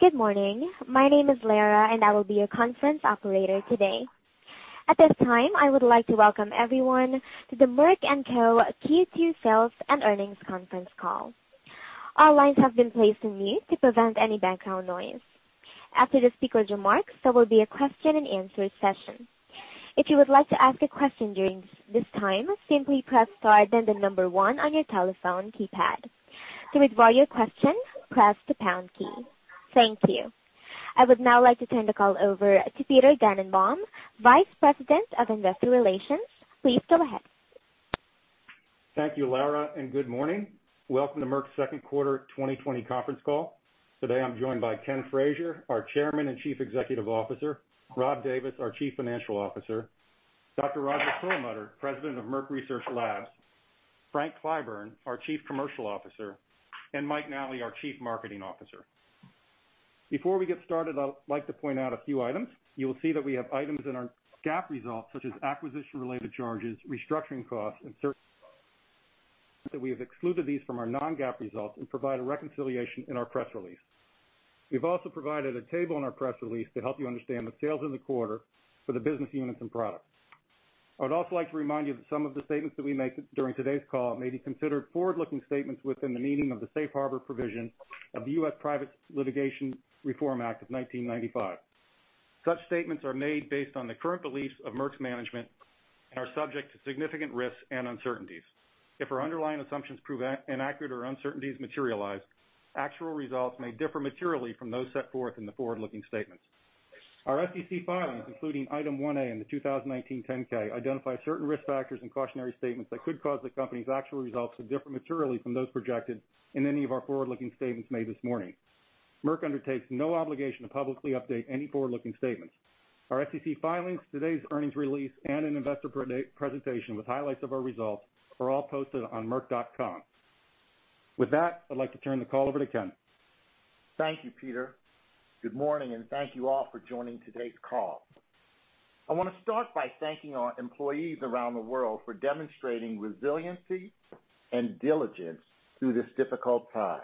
Good morning. My name is Lara, and I will be your conference operator today. At this time, I would like to welcome everyone to the Merck & Co. Q2 Sales and Earnings Conference Call. All lines have been placed in mute to prevent any background noise. After the speaker's remarks, there will be a question-and-answer session. If you would like to ask a question during this time, simply press star then the number one on your telephone keypad. To withdraw your question, press the pound key. Thank you. I would now like to turn the call over to Peter Dannenbaum, Vice President of Investor Relations. Please go ahead. Thank you, Lara. Good morning. Welcome to Merck's second quarter 2020 conference call. Today, I'm joined by Ken Frazier, our Chairman and Chief Executive Officer, Rob Davis, our Chief Financial Officer, Dr. Roger Perlmutter, President of Merck Research Labs, Frank Clyburn, our Chief Commercial Officer, and Mike Nally, our Chief Marketing Officer. Before we get started, I'd like to point out a few items. You will see that we have items in our GAAP results, such as acquisition-related charges, restructuring costs, and certain that we have excluded these from our non-GAAP results and provide a reconciliation in our press release. We've also provided a table in our press release to help you understand the sales in the quarter for the business units and products. I would also like to remind you that some of the statements that we make during today's call may be considered forward-looking statements within the meaning of the Safe Harbor provision of U.S Private Litigation Reform Act of 1995. Such statements are made based on the current beliefs of Merck's management and are subject to significant risks and uncertainties. If our underlying assumptions prove inaccurate or uncertainties materialize, actual results may differ materially from those set forth in the forward-looking statements. Our SEC filings, including Item 1A in the 2019 10-K, identify certain risk factors and cautionary statements that could cause the company's actual results to differ materially from those projected in any of our forward-looking statements made this morning. Merck undertakes no obligation to publicly update any forward-looking statements. Our SEC filings, today's earnings release, and an investor presentation with highlights of our results are all posted on merck.com. With that, I'd like to turn the call over to Ken. Thank you, Peter. Good morning, and thank you all for joining today's call. I want to start by thanking our employees around the world for demonstrating resiliency and diligence through this difficult time.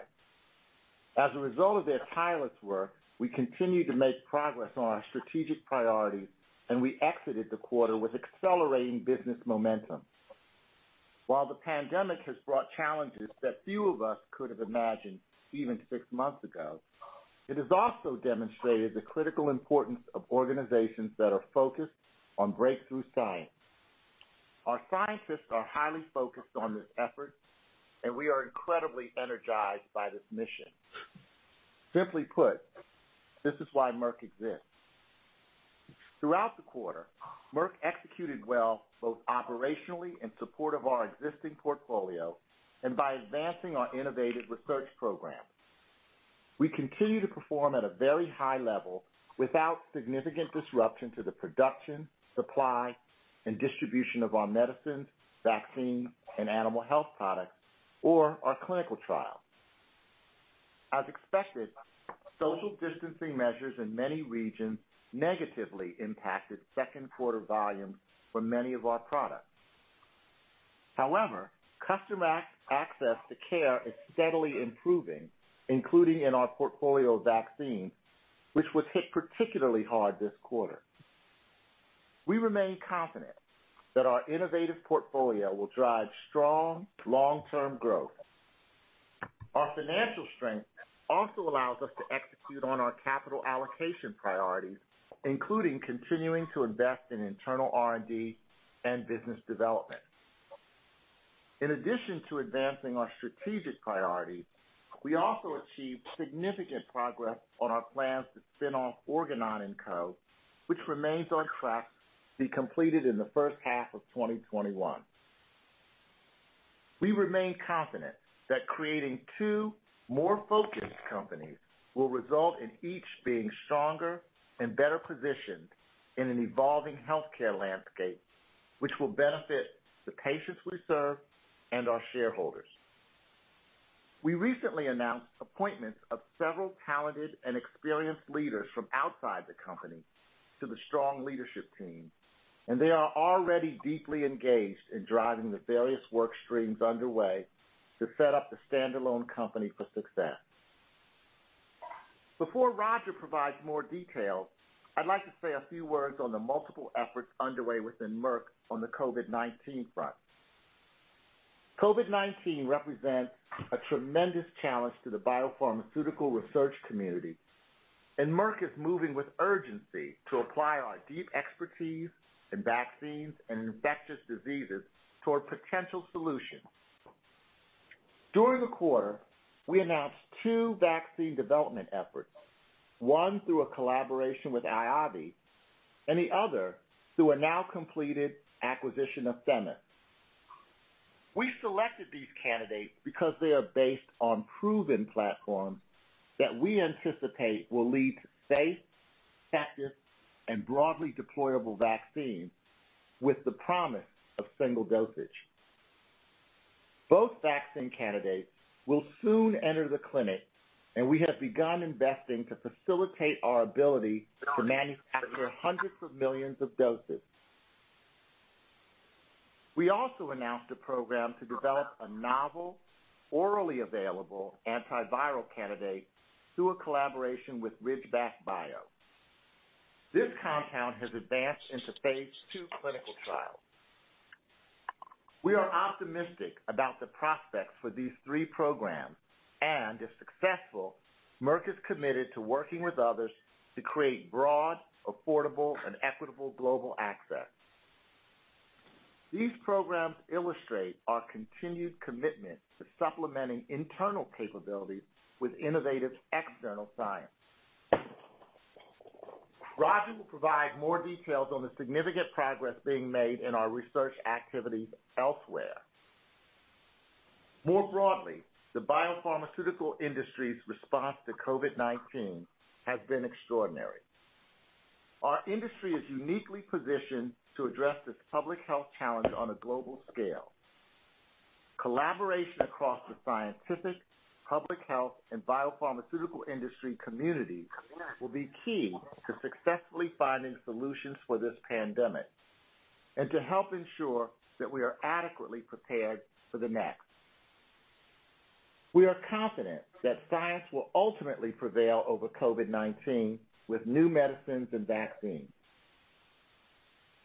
As a result of their tireless work, we continue to make progress on our strategic priorities, and we exited the quarter with accelerating business momentum. While the pandemic has brought challenges that few of us could have imagined even six months ago, it has also demonstrated the critical importance of organizations that are focused on breakthrough science. Our scientists are highly focused on this effort, and we are incredibly energized by this mission. Simply put, this is why Merck exists. Throughout the quarter, Merck executed well both operationally in support of our existing portfolio and by advancing our innovative research program. We continue to perform at a very high level without significant disruption to the production, supply, and distribution of our medicines, vaccines, and animal health products or our clinical trials. As expected, social distancing measures in many regions negatively impacted second quarter volumes for many of our products. However, customer access to care is steadily improving, including in our portfolio of vaccines, which was hit particularly hard this quarter. We remain confident that our innovative portfolio will drive strong long-term growth. Our financial strength also allows us to execute on our capital allocation priorities, including continuing to invest in internal R&D and business development. In addition to advancing our strategic priorities, we also achieved significant progress on our plans to spin off Organon & Co, which remains on track to be completed in the first half of 2021. We remain confident that creating two more focused companies will result in each being stronger and better positioned in an evolving healthcare landscape, which will benefit the patients we serve and our shareholders. We recently announced appointments of several talented and experienced leaders from outside the company to the strong leadership team. They are already deeply engaged in driving the various work streams underway to set up the standalone company for success. Before Roger provides more details, I'd like to say a few words on the multiple efforts underway within Merck on the COVID-19 front. COVID-19 represents a tremendous challenge to the biopharmaceutical research community. Merck is moving with urgency to apply our deep expertise in vaccines and infectious diseases toward potential solutions. During the quarter, we announced two vaccine development efforts, one through a collaboration with IAVI and the other through a now completed acquisition of Themis. We selected these candidates because they are based on proven platforms that we anticipate will lead to safe, effective, and broadly deployable vaccines with the promise of single dosage. Both vaccine candidates will soon enter the clinic, and we have begun investing to facilitate our ability to manufacture hundreds of millions of doses. We also announced a program to develop a novel, orally available antiviral candidate through a collaboration with Ridgeback Biotherapeutics. This compound has advanced into phase II clinical trials. We are optimistic about the prospects for these three programs, and if successful, Merck is committed to working with others to create broad, affordable, and equitable global access. These programs illustrate our continued commitment to supplementing internal capabilities with innovative external science. Roger will provide more details on the significant progress being made in our research activities elsewhere. The biopharmaceutical industry's response to COVID-19 has been extraordinary. Our industry is uniquely positioned to address this public health challenge on a global scale. Collaboration across the scientific, public health, and biopharmaceutical industry communities will be key to successfully finding solutions for this pandemic, and to help ensure that we are adequately prepared for the next. We are confident that science will ultimately prevail over COVID-19 with new medicines and vaccines.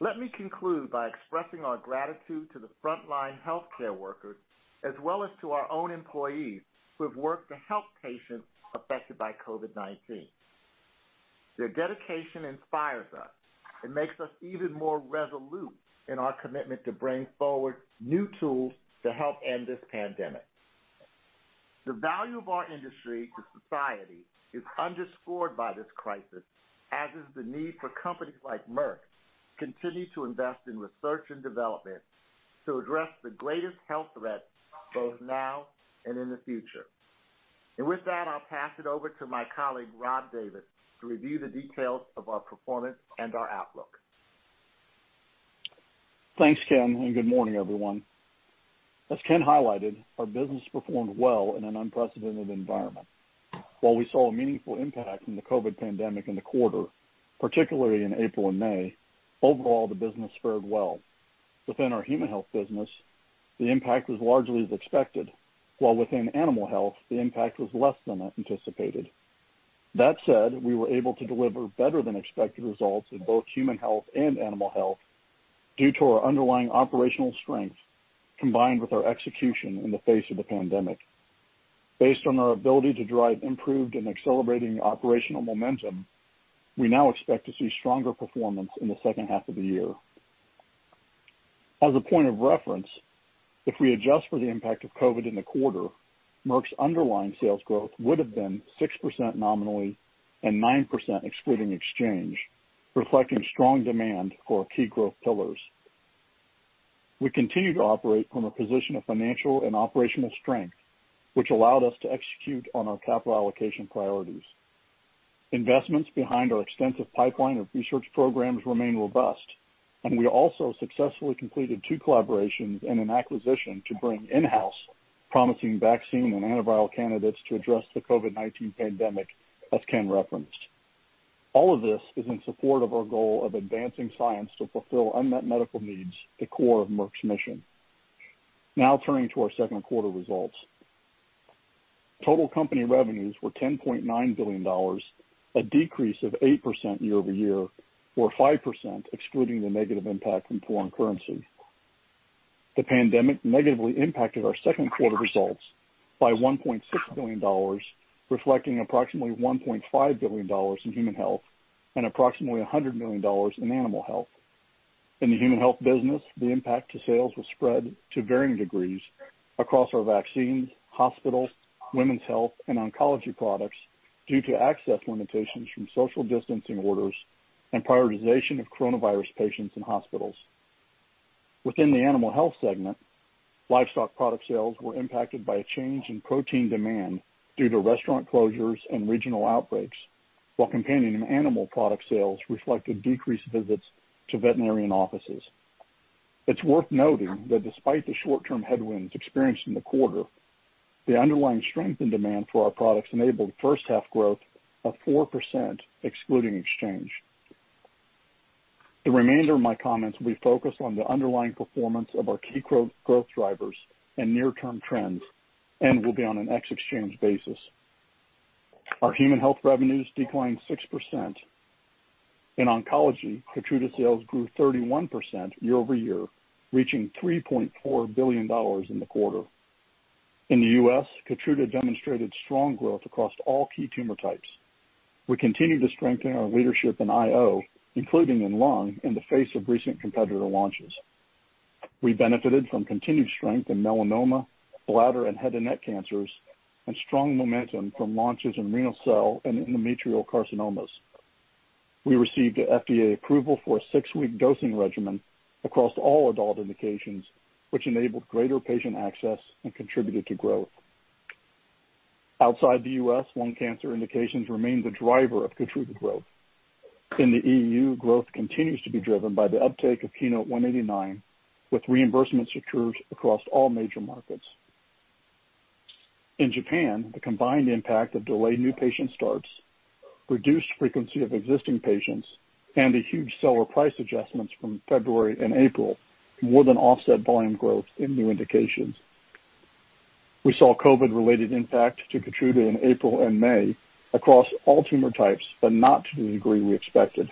Let me conclude by expressing our gratitude to the frontline healthcare workers, as well as to our own employees who have worked to help patients affected by COVID-19. Their dedication inspires us and makes us even more resolute in our commitment to bring forward new tools to help end this pandemic. The value of our industry to society is underscored by this crisis, as is the need for companies like Merck to continue to invest in research and development to address the greatest health threats both now and in the future. With that, I'll pass it over to my colleague, Robert Davis, to review the details of our performance and our outlook. Thanks, Ken, and good morning, everyone. As Ken highlighted, our business performed well in an unprecedented environment. While we saw a meaningful impact from the COVID pandemic in the quarter, particularly in April and May, overall, the business fared well. Within our Human Health business, the impact was largely as expected. While within Animal Health, the impact was less than anticipated. That said, we were able to deliver better than expected results in both Human Health and Animal Health due to our underlying operational strength, combined with our execution in the face of the pandemic. Based on our ability to drive improved and accelerating operational momentum, we now expect to see stronger performance in the second half of the year. As a point of reference, if we adjust for the impact of COVID in the quarter, Merck's underlying sales growth would have been 6% nominally and 9% excluding exchange, reflecting strong demand for our key growth pillars. We continue to operate from a position of financial and operational strength, which allowed us to execute on our capital allocation priorities. Investments behind our extensive pipeline of research programs remain robust, and we also successfully completed two collaborations and an acquisition to bring in-house promising vaccine and antiviral candidates to address the COVID-19 pandemic, as Ken referenced. All of this is in support of our goal of advancing science to fulfill unmet medical needs, the core of Merck's mission. Turning to our second quarter results. Total company revenues were $10.9 billion, a decrease of 8% year-over-year, or 5% excluding the negative impact from foreign currency. The pandemic negatively impacted our second quarter results by $1.6 billion, reflecting approximately $1.5 billion in Human Health and approximately $100 million in Animal Health. In the Human Health business, the impact to sales was spread to varying degrees across our vaccines, hospitals, women's health, and oncology products due to access limitations from social distancing orders and prioritization of coronavirus patients in hospitals. Within the Animal Health segment, livestock product sales were impacted by a change in protein demand due to restaurant closures and regional outbreaks, while companion animal product sales reflected decreased visits to veterinarian offices. It's worth noting that despite the short-term headwinds experienced in the quarter, the underlying strength and demand for our products enabled first half growth of 4%, excluding exchange. The remainder of my comments will be focused on the underlying performance of our key growth drivers and near-term trends, and will be on an ex-exchange basis. Our Human Health revenues declined 6%. In oncology, KEYTRUDA sales grew 31% year-over-year, reaching $3.4 billion in the quarter. In the U.S., KEYTRUDA demonstrated strong growth across all key tumor types. We continue to strengthen our leadership in IO, including in lung, in the face of recent competitor launches. We benefited from continued strength in melanoma, bladder, and head and neck cancers, and strong momentum from launches in renal cell and endometrial carcinomas. We received FDA approval for a six-week dosing regimen across all adult indications, which enabled greater patient access and contributed to growth. Outside the U.S., lung cancer indications remain the driver of KEYTRUDA growth. In the EU, growth continues to be driven by the uptake of KEYNOTE-189, with reimbursement secured across all major markets. In Japan, the combined impact of delayed new patient starts, reduced frequency of existing patients, and the huge seller price adjustments from February and April more than offset volume growth in new indications. We saw COVID-related impact to KEYTRUDA in April and May across all tumor types, but not to the degree we expected.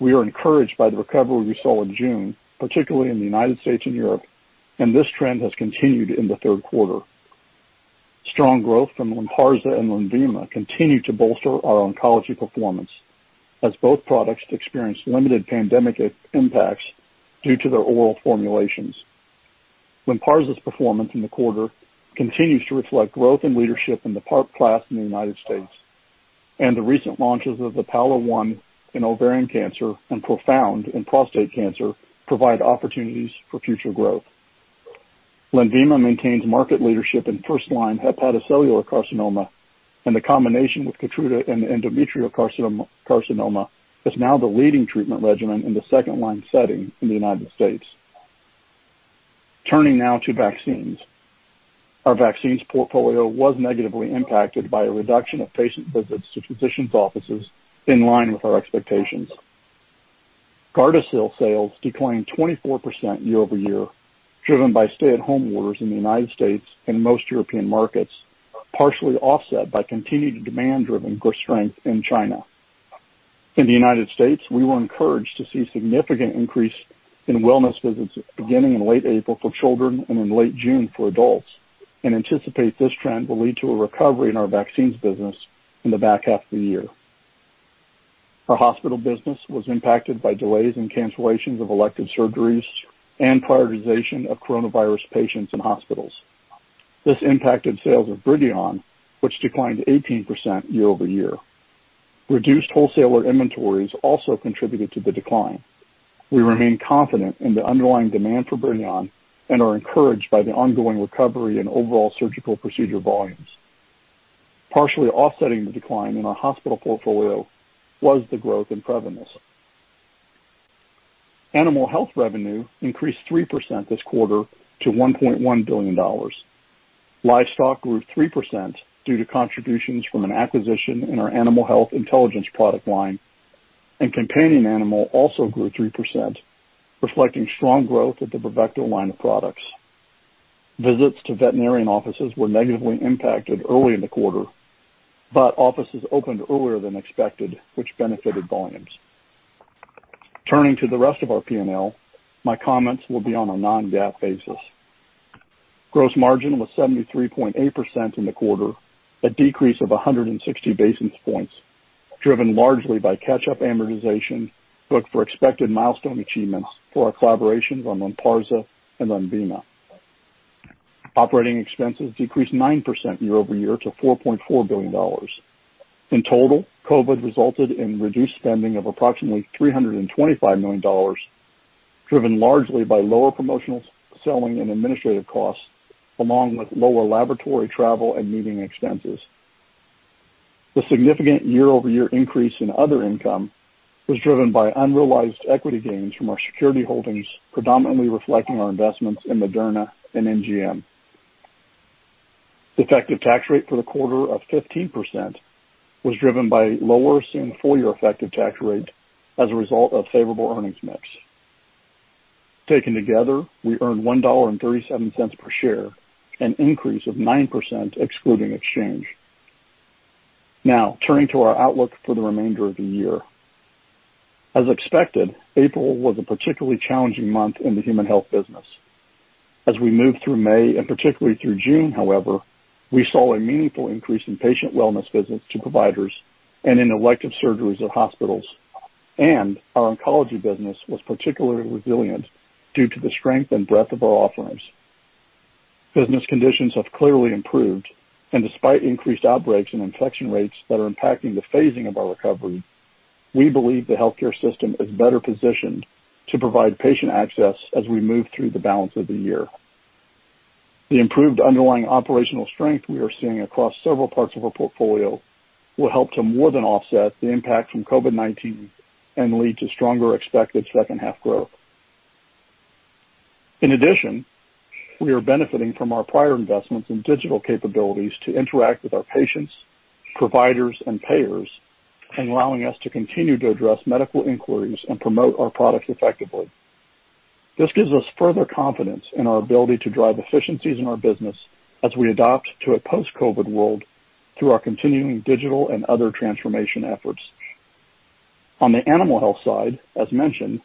We are encouraged by the recovery we saw in June, particularly in the United States and Europe, and this trend has continued in the third quarter. Strong growth from Lynparza and Lenvima continue to bolster our oncology performance, as both products experienced limited pandemic impacts due to their oral formulations. Lynparza's performance in the quarter continues to reflect growth and leadership in the PARP class in the United States. The recent launches of the PAOLA-1 in ovarian cancer and PROfound in prostate cancer provide opportunities for future growth. Lenvima maintains market leadership in first-line hepatocellular carcinoma. The combination with KEYTRUDA in endometrial carcinoma is now the leading treatment regimen in the second-line setting in the United States. Turning now to vaccines. Our vaccines portfolio was negatively impacted by a reduction of patient visits to physicians' offices in line with our expectations. GARDASIL sales declined 24% year-over-year, driven by stay-at-home orders in the United States and most European markets, partially offset by continued demand driven growth strength in China. In the United States, we were encouraged to see significant increase in wellness visits beginning in late April for children and in late June for adults. Anticipate this trend will lead to a recovery in our vaccines business in the back half of the year. Our hospital business was impacted by delays and cancellations of elective surgeries and prioritization of coronavirus patients in hospitals. This impacted sales of BRIDION, which declined 18% year-over-year. Reduced wholesaler inventories also contributed to the decline. We remain confident in the underlying demand for BRIDION and are encouraged by the ongoing recovery in overall surgical procedure volumes. Partially offsetting the decline in our hospital portfolio was the growth in PREVYMIS. Animal Health revenue increased 3% this quarter to $1.1 billion. Livestock grew 3% due to contributions from an acquisition in our animal health intelligence product line, and companion animal also grew 3%, reflecting strong growth at the BRAVECTO line of products. Visits to veterinarian offices were negatively impacted early in the quarter, but offices opened earlier than expected, which benefited volumes. Turning to the rest of our P&L, my comments will be on a non-GAAP basis. Gross margin was 73.8% in the quarter, a decrease of 160 basis points, driven largely by catch-up amortization booked for expected milestone achievements for our collaborations on Lynparza and Lenvima. Operating expenses decreased 9% year-over-year to $4.4 billion. In total, COVID resulted in reduced spending of approximately $325 million, driven largely by lower promotional selling and administrative costs, along with lower laboratory travel and meeting expenses. The significant year-over-year increase in other income was driven by unrealized equity gains from our security holdings, predominantly reflecting our investments in Moderna and MGM. The effective tax rate for the quarter of 15% was driven by lower assumed full-year effective tax rate as a result of favorable earnings mix. Taken together, we earned $1.37 per share, an increase of 9% excluding exchange. Turning to our outlook for the remainder of the year. As expected, April was a particularly challenging month in the human health business. As we moved through May and particularly through June, however, we saw a meaningful increase in patient wellness visits to providers and in elective surgeries at hospitals, and our oncology business was particularly resilient due to the strength and breadth of our offerings. Business conditions have clearly improved, and despite increased outbreaks and infection rates that are impacting the phasing of our recovery, we believe the healthcare system is better positioned to provide patient access as we move through the balance of the year. The improved underlying operational strength we are seeing across several parts of our portfolio will help to more than offset the impact from COVID-19 and lead to stronger expected second half growth. In addition, we are benefiting from our prior investments in digital capabilities to interact with our patients, providers, and payers, and allowing us to continue to address medical inquiries and promote our products effectively. This gives us further confidence in our ability to drive efficiencies in our business as we adapt to a post-COVID world through our continuing digital and other transformation efforts. On the animal health side, as mentioned,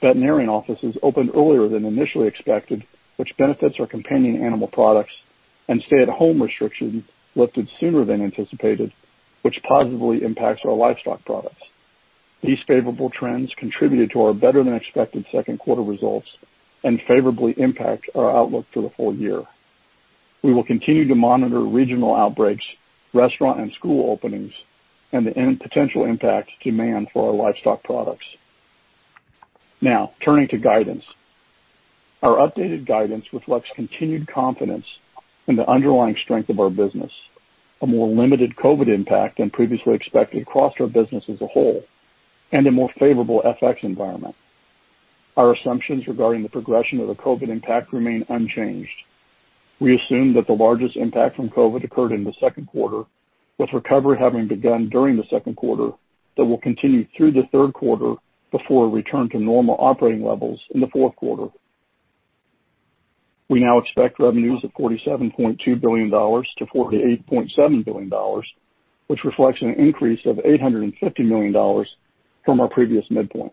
veterinarian offices opened earlier than initially expected, which benefits our companion animal products, and stay-at-home restrictions lifted sooner than anticipated, which positively impacts our livestock products. These favorable trends contributed to our better-than-expected second quarter results and favorably impact our outlook for the full year. We will continue to monitor regional outbreaks, restaurant and school openings, and the potential impact to demand for our livestock products. Now, turning to guidance. Our updated guidance reflects continued confidence in the underlying strength of our business, a more limited COVID impact than previously expected across our business as a whole, and a more favorable FX environment. Our assumptions regarding the progression of the COVID impact remain unchanged. We assume that the largest impact from COVID occurred in the second quarter, with recovery having begun during the second quarter that will continue through the third quarter before a return to normal operating levels in the fourth quarter. We now expect revenues of $47.2 billion-$48.7 billion, which reflects an increase of $850 million from our previous midpoint.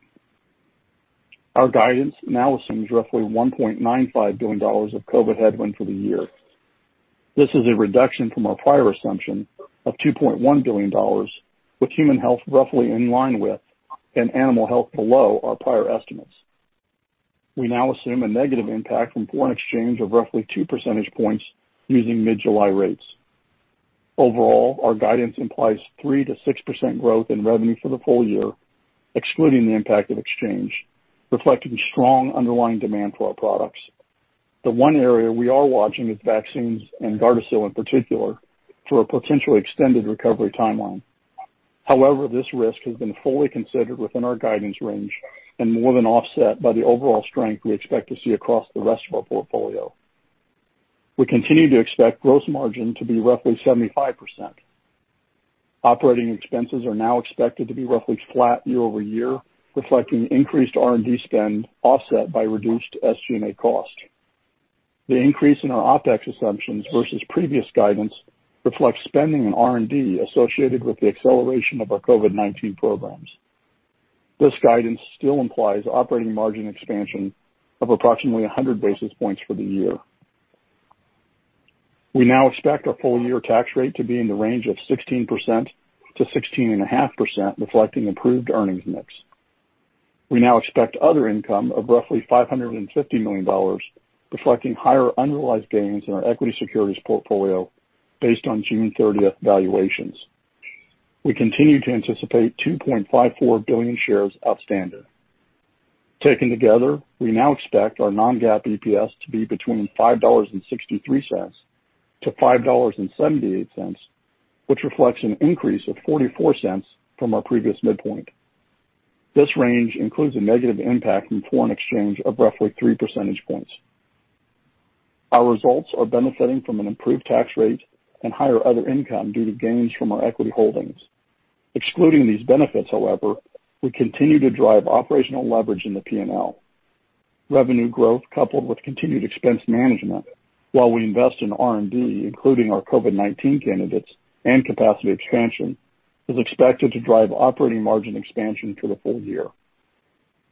Our guidance now assumes roughly $1.95 billion of COVID headwind for the year. This is a reduction from our prior assumption of $2.1 billion, with Human Health roughly in line with and Animal Health below our prior estimates. We now assume a negative impact from foreign exchange of roughly two percentage points using mid-July rates. Overall, our guidance implies 3%-6% growth in revenue for the full year, excluding the impact of exchange, reflecting strong underlying demand for our products. The one area we are watching is vaccines, and GARDASIL in particular, for a potential extended recovery timeline. However, this risk has been fully considered within our guidance range and more than offset by the overall strength we expect to see across the rest of our portfolio. We continue to expect gross margin to be roughly 75%. Operating expenses are now expected to be roughly flat year-over-year, reflecting increased R&D spend offset by reduced SG&A cost. The increase in our OpEx assumptions versus previous guidance reflects spending on R&D associated with the acceleration of our COVID-19 programs. This guidance still implies operating margin expansion of approximately 100 basis points for the year. We now expect our full-year tax rate to be in the range of 16%-16.5%, reflecting improved earnings mix. We now expect other income of roughly $550 million, reflecting higher unrealized gains in our equity securities portfolio based on June 30th valuations. We continue to anticipate 2.54 billion shares outstanding. Taken together, we now expect our non-GAAP EPS to be between $5.63-$5.78, which reflects an increase of $0.44 from our previous midpoint. This range includes a negative impact from foreign exchange of roughly three percentage points. Our results are benefiting from an improved tax rate and higher other income due to gains from our equity holdings. Excluding these benefits, however, we continue to drive operational leverage in the P&L. Revenue growth coupled with continued expense management while we invest in R&D, including our COVID-19 candidates and capacity expansion, is expected to drive operating margin expansion through the full year.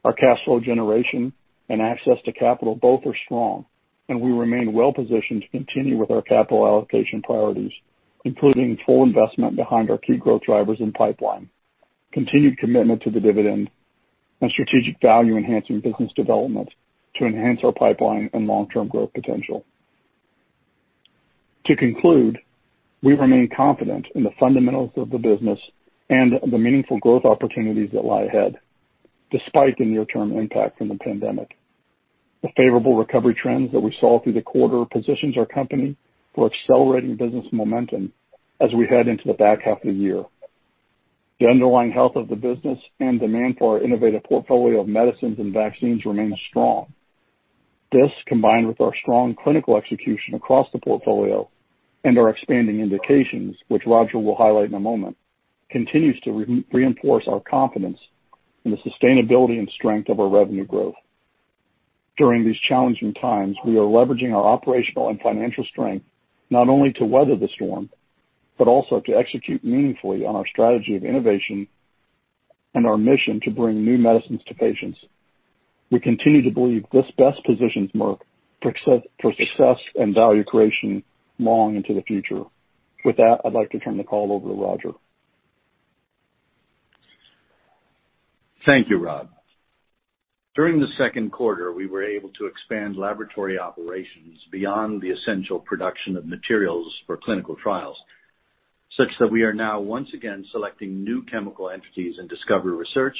Our cash flow generation and access to capital both are strong, and we remain well-positioned to continue with our capital allocation priorities, including full investment behind our key growth drivers and pipeline, continued commitment to the dividend, and strategic value-enhancing business development to enhance our pipeline and long-term growth potential. To conclude, we remain confident in the fundamentals of the business and the meaningful growth opportunities that lie ahead, despite the near-term impact from the pandemic. The favorable recovery trends that we saw through the quarter positions our company for accelerating business momentum as we head into the back half of the year. The underlying health of the business and demand for our innovative portfolio of medicines and vaccines remains strong. This, combined with our strong clinical execution across the portfolio and our expanding indications, which Roger will highlight in a moment, continues to reinforce our confidence in the sustainability and strength of our revenue growth. During these challenging times, we are leveraging our operational and financial strength not only to weather the storm, but also to execute meaningfully on our strategy of innovation and our mission to bring new medicines to patients. We continue to believe this best positions Merck for success and value creation long into the future. With that, I'd like to turn the call over to Roger. Thank you, Rob. During the second quarter, we were able to expand laboratory operations beyond the essential production of materials for clinical trials, such that we are now once again selecting new chemical entities in discovery research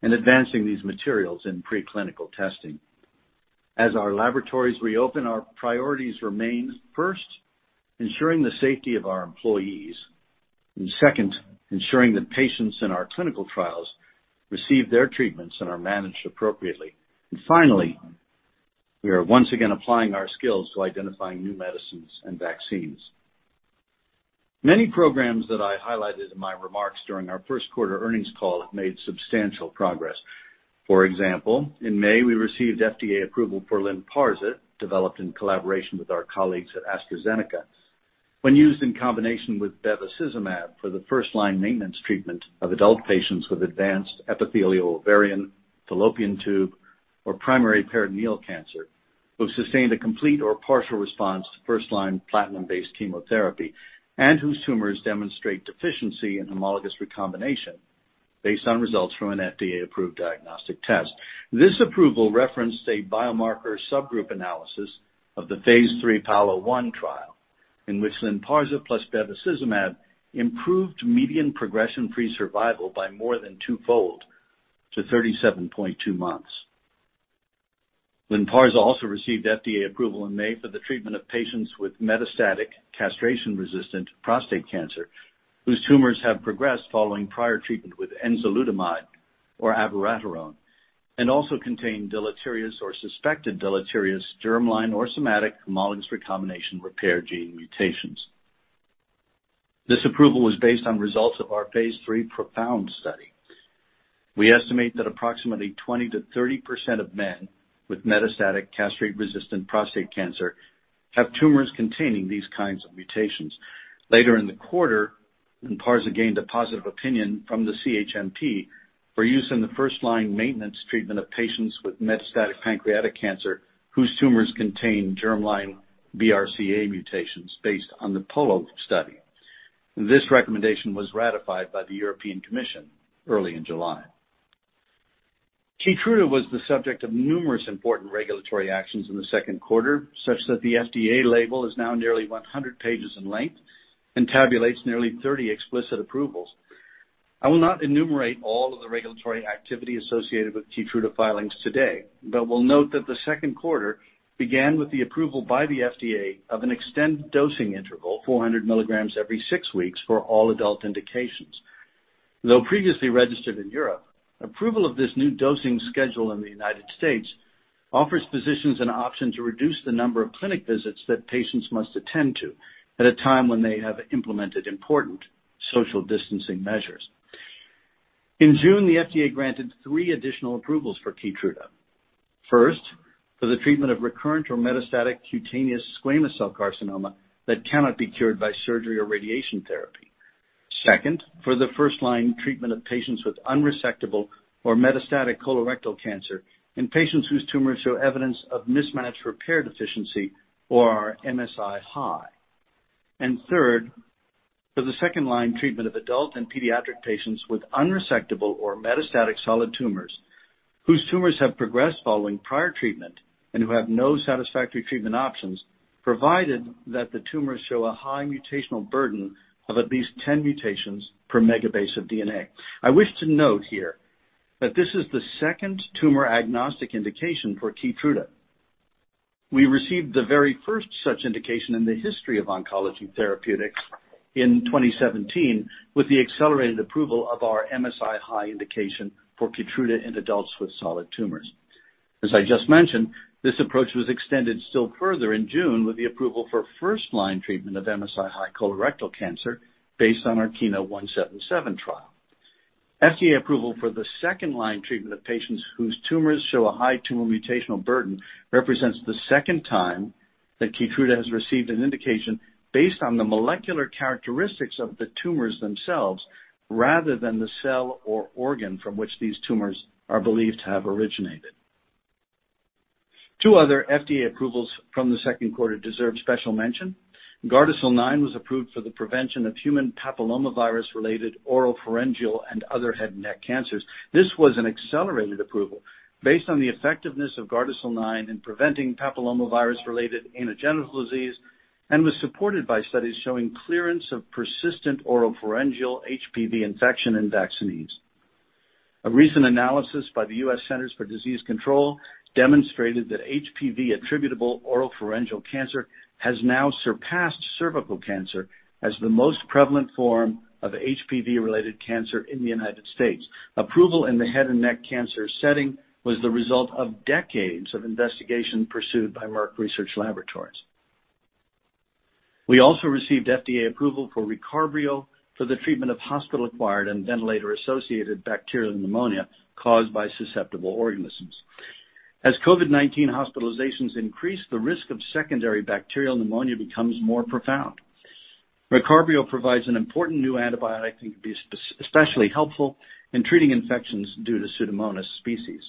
and advancing these materials in preclinical testing. As our laboratories reopen, our priorities remain, first, ensuring the safety of our employees, Second, ensuring that patients in our clinical trials receive their treatments and are managed appropriately. Finally, we are once again applying our skills to identifying new medicines and vaccines. Many programs that I highlighted in my remarks during our first quarter earnings call have made substantial progress. For example, in May, we received FDA approval for Lynparza, developed in collaboration with our colleagues at AstraZeneca. When used in combination with bevacizumab for the first-line maintenance treatment of adult patients with advanced epithelial ovarian, fallopian tube, or primary peritoneal cancer, who have sustained a complete or partial response to first-line platinum-based chemotherapy and whose tumors demonstrate deficiency in homologous recombination based on results from an FDA-approved diagnostic test. This approval referenced a biomarker subgroup analysis of the phase III PAOLA-1 trial, in which Lynparza plus bevacizumab improved median progression-free survival by more than twofold to 37.2 months. Lynparza also received FDA approval in May for the treatment of patients with metastatic castration-resistant prostate cancer, whose tumors have progressed following prior treatment with enzalutamide or abiraterone, and also contain deleterious or suspected deleterious germline or somatic homologous recombination repair gene mutations. This approval was based on results of our phase III PROfound study. We estimate that approximately 20%-30% of men with metastatic castrate-resistant prostate cancer have tumors containing these kinds of mutations. Later in the quarter, Lynparza gained a positive opinion from the CHMP for use in the first-line maintenance treatment of patients with metastatic pancreatic cancer, whose tumors contain germline BRCA mutations based on the POLO study. This recommendation was ratified by the European Commission early in July. KEYTRUDA was the subject of numerous important regulatory actions in the second quarter, such that the FDA label is now nearly 100 pages in length and tabulates nearly 30 explicit approvals. I will not enumerate all of the regulatory activity associated with KEYTRUDA filings today, but will note that the second quarter began with the approval by the FDA of an extended dosing interval, 400 mg every six weeks, for all adult indications. Though previously registered in Europe, approval of this new dosing schedule in the United States offers physicians an option to reduce the number of clinic visits that patients must attend to at a time when they have implemented important social distancing measures. In June, the FDA granted three additional approvals for KEYTRUDA. First, for the treatment of recurrent or metastatic cutaneous squamous cell carcinoma that cannot be cured by surgery or radiation therapy. Second, for the first-line treatment of patients with unresectable or metastatic colorectal cancer in patients whose tumors show evidence of mismatch repair deficiency or are MSI-High. Third, for the second-line treatment of adult and pediatric patients with unresectable or metastatic solid tumors whose tumors have progressed following prior treatment and who have no satisfactory treatment options, provided that the tumors show a high mutational burden of at least 10 mutations per megabase of DNA. I wish to note here that this is the second tumor-agnostic indication for KEYTRUDA. We received the very first such indication in the history of oncology therapeutics in 2017 with the accelerated approval of our MSI-High indication for KEYTRUDA in adults with solid tumors. As I just mentioned, this approach was extended still further in June with the approval for 1st-line treatment of MSI-High colorectal cancer based on our KEYNOTE-177 trial. FDA approval for the second-line treatment of patients whose tumors show a high tumor mutational burden represents the second time that KEYTRUDA has received an indication based on the molecular characteristics of the tumors themselves, rather than the cell or organ from which these tumors are believed to have originated. Two other FDA approvals from the second quarter deserve special mention. GARDASIL 9 was approved for the prevention of human papillomavirus-related oropharyngeal and other head and neck cancers. This was an accelerated approval based on the effectiveness of GARDASIL 9 in preventing papillomavirus-related anogenital disease and was supported by studies showing clearance of persistent oropharyngeal HPV infection in vaccinees. A recent analysis by the U.S. Centers for Disease Control demonstrated that HPV attributable oropharyngeal cancer has now surpassed cervical cancer as the most prevalent form of HPV-related cancer in the United States Approval in the head and neck cancer setting was the result of decades of investigation pursued by Merck Research Laboratories. We also received FDA approval for RECARBRIO for the treatment of hospital-acquired and ventilator-associated bacterial pneumonia caused by susceptible organisms. As COVID-19 hospitalizations increase, the risk of secondary bacterial pneumonia becomes more profound. RECARBRIO provides an important new antibiotic and can be especially helpful in treating infections due to Pseudomonas species.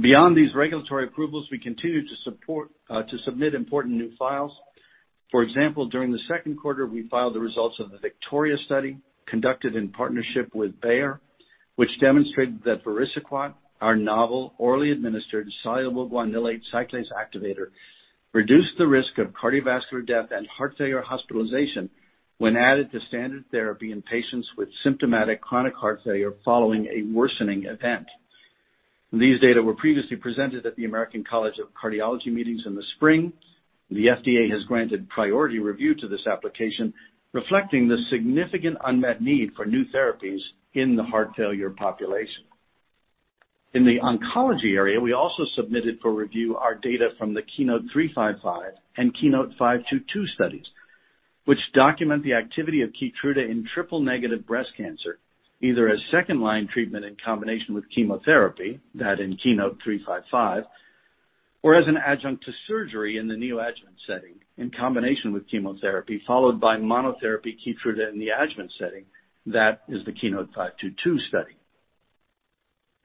Beyond these regulatory approvals, we continue to submit important new files. For example, during the second quarter, we filed the results of the VICTORIA study conducted in partnership with Bayer, which demonstrated that vericiguat, our novel orally administered soluble guanylate cyclase activator, reduced the risk of cardiovascular death and heart failure hospitalization when added to standard therapy in patients with symptomatic chronic heart failure following a worsening event. These data were previously presented at the American College of Cardiology meetings in the spring. The FDA has granted priority review to this application, reflecting the significant unmet need for new therapies in the heart failure population. In the oncology area, we also submitted for review our data from the KEYNOTE-355 and KEYNOTE-522 studies, which document the activity of KEYTRUDA in triple-negative breast cancer, either as second-line treatment in combination with chemotherapy, that in KEYNOTE-355, or as an adjunct to surgery in the neoadjuvant setting in combination with chemotherapy, followed by monotherapy KEYTRUDA in the adjuvant setting. That is the KEYNOTE-522 study.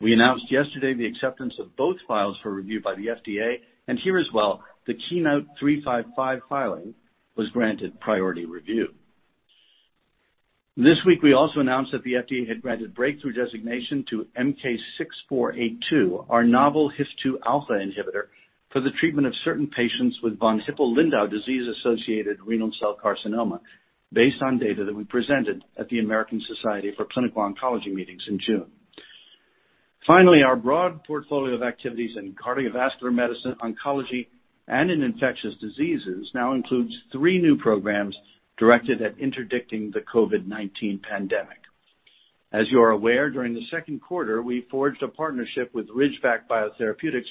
We announced yesterday the acceptance of both files for review by the FDA, and here as well, the KEYNOTE-355 filing was granted priority review. This week, we also announced that the FDA had granted breakthrough designation to MK-6482, our novel HIF-2 alpha inhibitor, for the treatment of certain patients with von Hippel-Lindau disease-associated renal cell carcinoma, based on data that we presented at the American Society of Clinical Oncology meetings in June. Finally, our broad portfolio of activities in cardiovascular medicine, oncology, and in infectious diseases now includes three new programs directed at interdicting the COVID-19 pandemic. As you are aware, during the second quarter, we forged a partnership with Ridgeback Biotherapeutics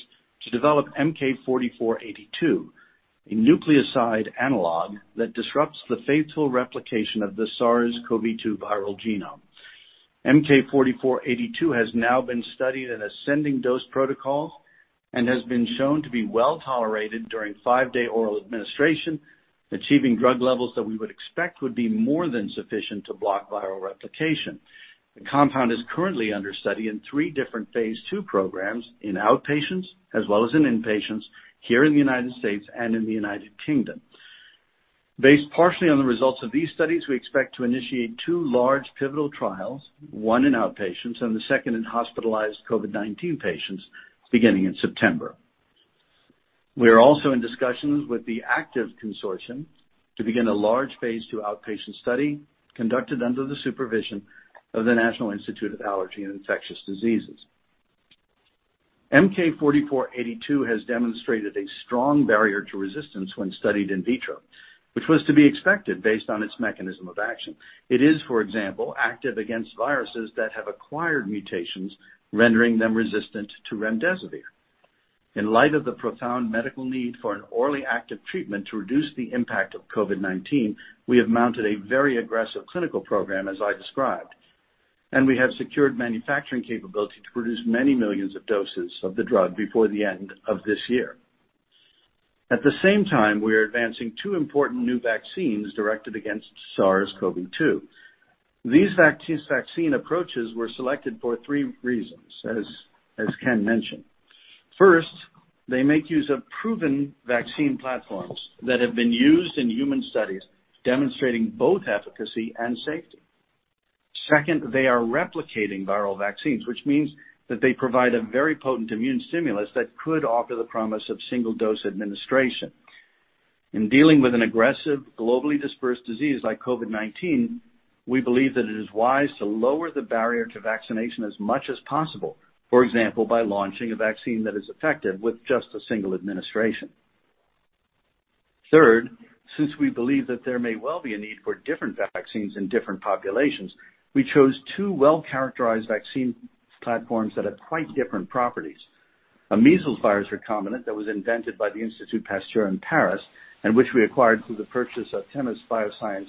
to develop MK-4482, a nucleoside analog that disrupts the faithful replication of the SARS-CoV-2 viral genome. MK-4482 has now been studied in ascending dose protocols and has been shown to be well-tolerated during five-day oral administration, achieving drug levels that we would expect would be more than sufficient to block viral replication. The compound is currently under study in three different phase II programs in outpatients as well as in inpatients here in the United States and in the United Kingdom. Based partially on the results of these studies, we expect to initiate two large pivotal trials, one in outpatients and the second in hospitalized COVID-19 patients, beginning in September. We are also in discussions with the ACTIV consortium to begin a large phase II outpatient study conducted under the supervision of the National Institute of Allergy and Infectious Diseases. MK-4482 has demonstrated a strong barrier to resistance when studied in vitro, which was to be expected based on its mechanism of action. It is, for example, active against viruses that have acquired mutations, rendering them resistant to remdesivir. In light of the profound medical need for an orally active treatment to reduce the impact of COVID-19, we have mounted a very aggressive clinical program, as I described, and we have secured manufacturing capability to produce many millions of doses of the drug before the end of this year. At the same time, we are advancing two important new vaccines directed against SARS-CoV-2. These vaccine approaches were selected for three reasons, as Ken mentioned. First, they make use of proven vaccine platforms that have been used in human studies, demonstrating both efficacy and safety. Second, they are replicating viral vaccines, which means that they provide a very potent immune stimulus that could offer the promise of single-dose administration. In dealing with an aggressive, globally dispersed disease like COVID-19, we believe that it is wise to lower the barrier to vaccination as much as possible. For example, by launching a vaccine that is effective with just a single administration. Third, since we believe that there may well be a need for different vaccines in different populations, we chose two well-characterized vaccine platforms that have quite different properties. A measles virus recombinant that was invented by the Institut Pasteur in Paris and which we acquired through the purchase of Themis Bioscience,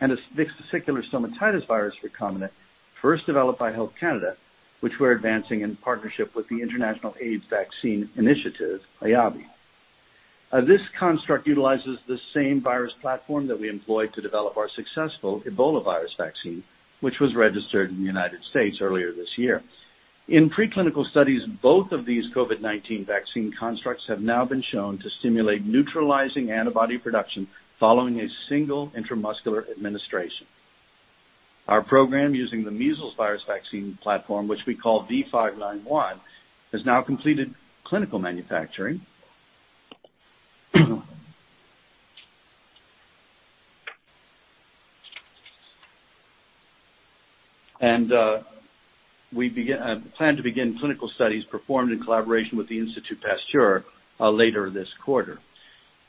and a vesicular stomatitis virus recombinant first developed by Health Canada, which we're advancing in partnership with the International AIDS Vaccine Initiative, IAVI. This construct utilizes the same virus platform that we employed to develop our successful Ebola virus vaccine, which was registered in the United States earlier this year. In preclinical studies, both of these COVID-19 vaccine constructs have now been shown to stimulate neutralizing antibody production following a single intramuscular administration. Our program using the measles virus vaccine platform, which we call V591, has now completed clinical manufacturing. We plan to begin clinical studies performed in collaboration with the Institut Pasteur later this quarter.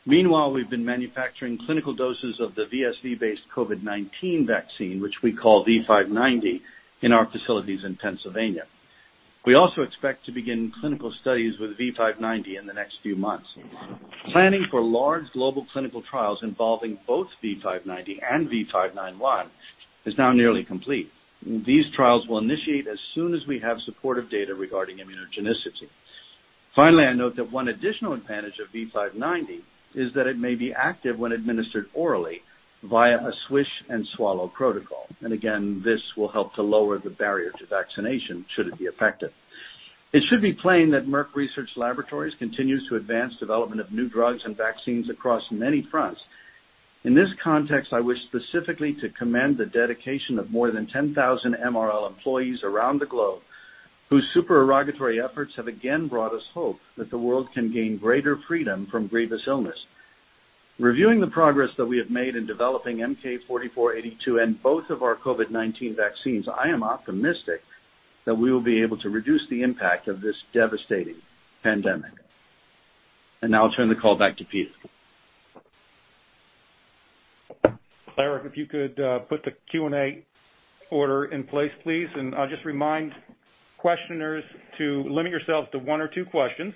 Meanwhile, we've been manufacturing clinical doses of the VSV-based COVID-19 vaccine, which we call V590, in our facilities in Pennsylvania. We also expect to begin clinical studies with V590 in the next few months. Planning for large global clinical trials involving both V590 and V591 is now nearly complete. These trials will initiate as soon as we have supportive data regarding immunogenicity. Finally, I note that one additional advantage of V590 is that it may be active when administered orally via a swish and swallow protocol. Again, this will help to lower the barrier to vaccination, should it be effective. It should be plain that Merck Research Laboratories continues to advance development of new drugs and vaccines across many fronts. In this context, I wish specifically to commend the dedication of more than 10,000 MRL employees around the globe, whose supererogatory efforts have again brought us hope that the world can gain greater freedom from grievous illness. Reviewing the progress that we have made in developing MK-4482 and both of our COVID-19 vaccines, I am optimistic that we will be able to reduce the impact of this devastating pandemic. Now I'll turn the call back to Pete. Lara, if you could put the Q&A order in place, please, and I'll just remind questioners to limit yourselves to one or two questions,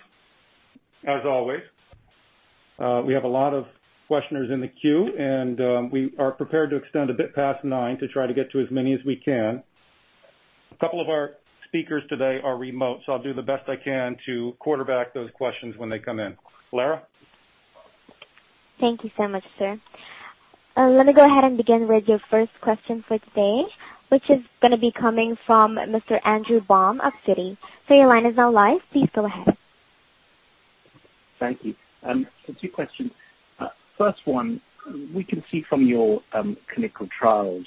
as always. We have a lot of questioners in the queue, and we are prepared to extend a bit past nine to try to get to as many as we can. A couple of our speakers today are remote, so I'll do the best I can to quarterback those questions when they come in. Lara? Thank you so much, sir. Let me go ahead and begin with your first question for today, which is going to be coming from Mr. Andrew Baum of Citi. Sir, your line is now live. Please go ahead. Thank you. Two questions. First one, we can see from your clinical trials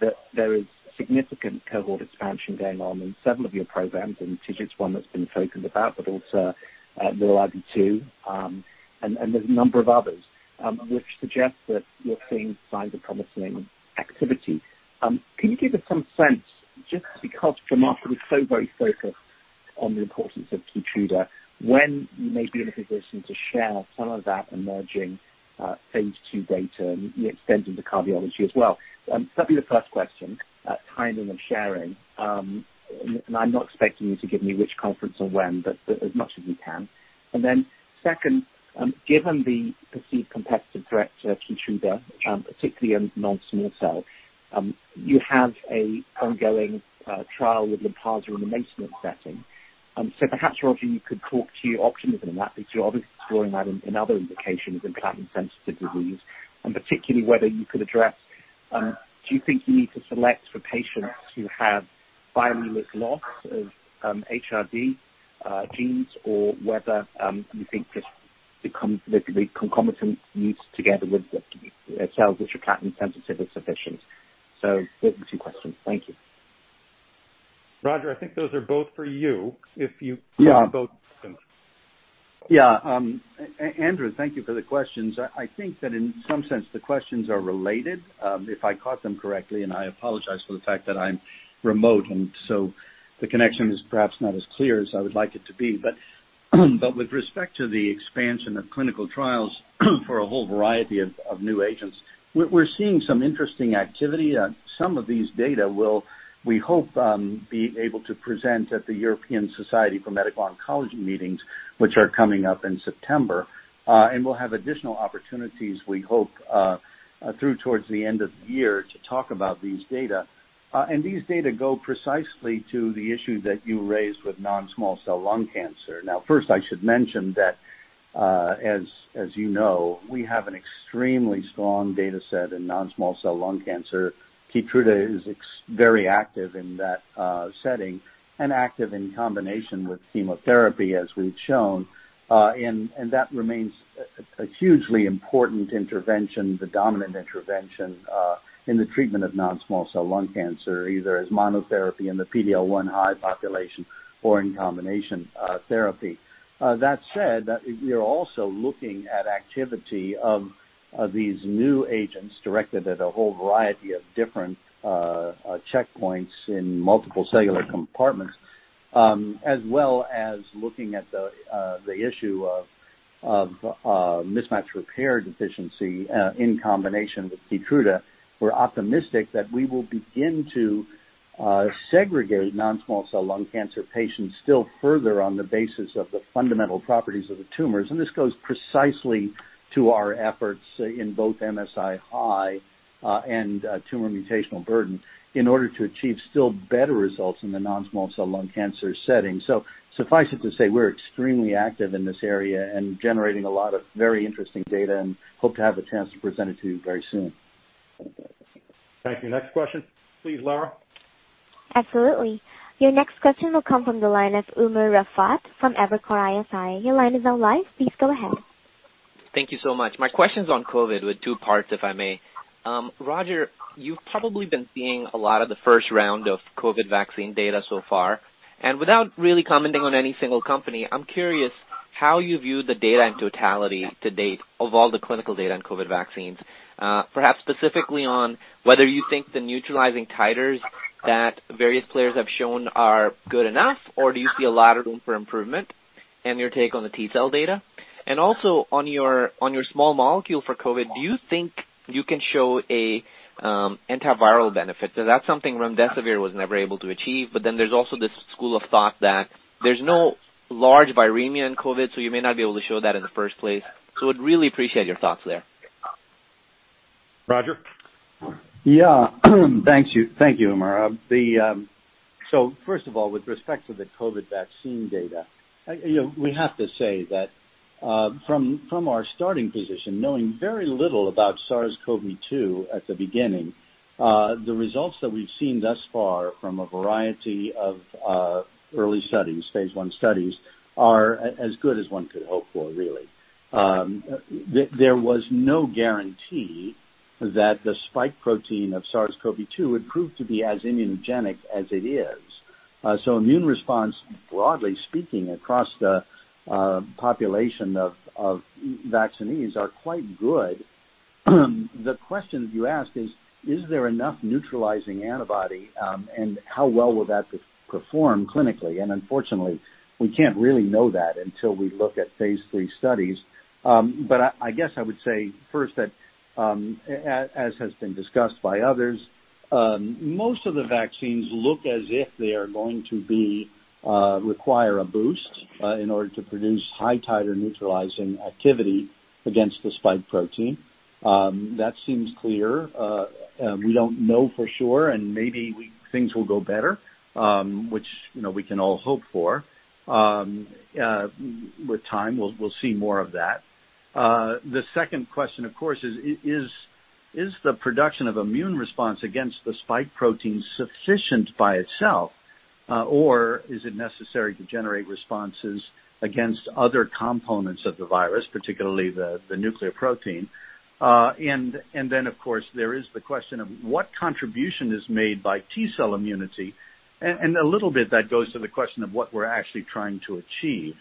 that there is significant cohort expansion going on in several of your programs, and TIGIT's one that's been focused about, but also LILRB2, and there's a number of others, which suggests that you're seeing signs of promising activity. Can you give us some sense, just because the market is so very focused on the importance of KEYTRUDA, when you may be in a position to share some of that emerging phase II data and the extent of the cardiology as well? That'd be the first question, timing of sharing. I'm not expecting you to give me which conference or when, but as much as you can. Second, given the perceived competitive threat to KEYTRUDA, particularly in non-small cell, you have a ongoing trial with Lynparza in a maintenance setting. Perhaps, Roger, you could talk to your optimism in that, because you're obviously exploring that in other indications in platinum sensitive disease, and particularly whether you could address, do you think you need to select for patients who have binary loss of HRD genes or whether you think this becomes the concomitant use together with the cells which are platinum sensitive is sufficient? Those are the two questions. Thank you. Roger, I think those are both for you. Yeah. Both of them. Andrew, thank you for the questions. I think that in some sense the questions are related, if I caught them correctly, and I apologize for the fact that I'm remote and so the connection is perhaps not as clear as I would like it to be. With respect to the expansion of clinical trials for a whole variety of new agents, we're seeing some interesting activity. Some of these data will, we hope, be able to present at the European Society for Medical Oncology meetings, which are coming up in September. We'll have additional opportunities, we hope, through towards the end of the year to talk about these data. These data go precisely to the issue that you raised with non-small cell lung cancer. Now first, I should mention that, as you know, we have an extremely strong data set in non-small cell lung cancer. KEYTRUDA is very active in that setting and active in combination with chemotherapy, as we've shown. That remains a hugely important intervention, the dominant intervention, in the treatment of non-small cell lung cancer, either as monotherapy in the PD-L1 high population or in combination therapy. That said, we're also looking at activity of these new agents directed at a whole variety of different checkpoints in multiple cellular compartments, as well as looking at the issue of mismatch repair deficiency in combination with KEYTRUDA. We're optimistic that we will begin to segregate non-small cell lung cancer patients still further on the basis of the fundamental properties of the tumors, and this goes precisely to our efforts in both MSI-High and tumor mutational burden in order to achieve still better results in the non-small cell lung cancer setting. Suffice it to say, we're extremely active in this area and generating a lot of very interesting data and hope to have a chance to present it to you very soon. Thank you. Next question please, Lara. Absolutely. Your next question will come from the line of Umer Raffat from Evercore ISI. Your line is now live. Please go ahead. Thank you so much. My question's on COVID with two parts, if I may. Roger, you've probably been seeing a lot of the first round of COVID vaccine data so far. Without really commenting on any single company, I'm curious how you view the data in totality to date of all the clinical data on COVID vaccines. Perhaps specifically on whether you think the neutralizing titers that various players have shown are good enough, or do you see a lot of room for improvement, and your take on the T-cell data? Also on your small molecule for COVID, do you think you can show an antiviral benefit? That's something remdesivir was never able to achieve, but then there's also this school of thought that there's no large viremia in COVID, so you may not be able to show that in the first place. Would really appreciate your thoughts there. Roger? Thank you, Umer. First of all, with respect to the COVID vaccine data, we have to say that from our starting position, knowing very little about SARS-CoV-2 at the beginning, the results that we've seen thus far from a variety of early studies, phase I studies, are as good as one could hope for, really. There was no guarantee that the spike protein of SARS-CoV-2 would prove to be as immunogenic as it is. Immune response, broadly speaking, across the population of vaccinees are quite good. The question you ask is there enough neutralizing antibody, and how well will that perform clinically? Unfortunately, we can't really know that until we look at phase III studies. I guess I would say first that, as has been discussed by others, most of the vaccines look as if they are going to require a boost in order to produce high titer neutralizing activity against the spike protein. That seems clear. We don't know for sure, and maybe things will go better, which we can all hope for. With time, we'll see more of that. The second question, of course, is the production of immune response against the spike protein sufficient by itself? Or is it necessary to generate responses against other components of the virus, particularly the nuclear protein? Of course, there is the question of what contribution is made by T-cell immunity, and a little bit that goes to the question of what we're actually trying to achieve.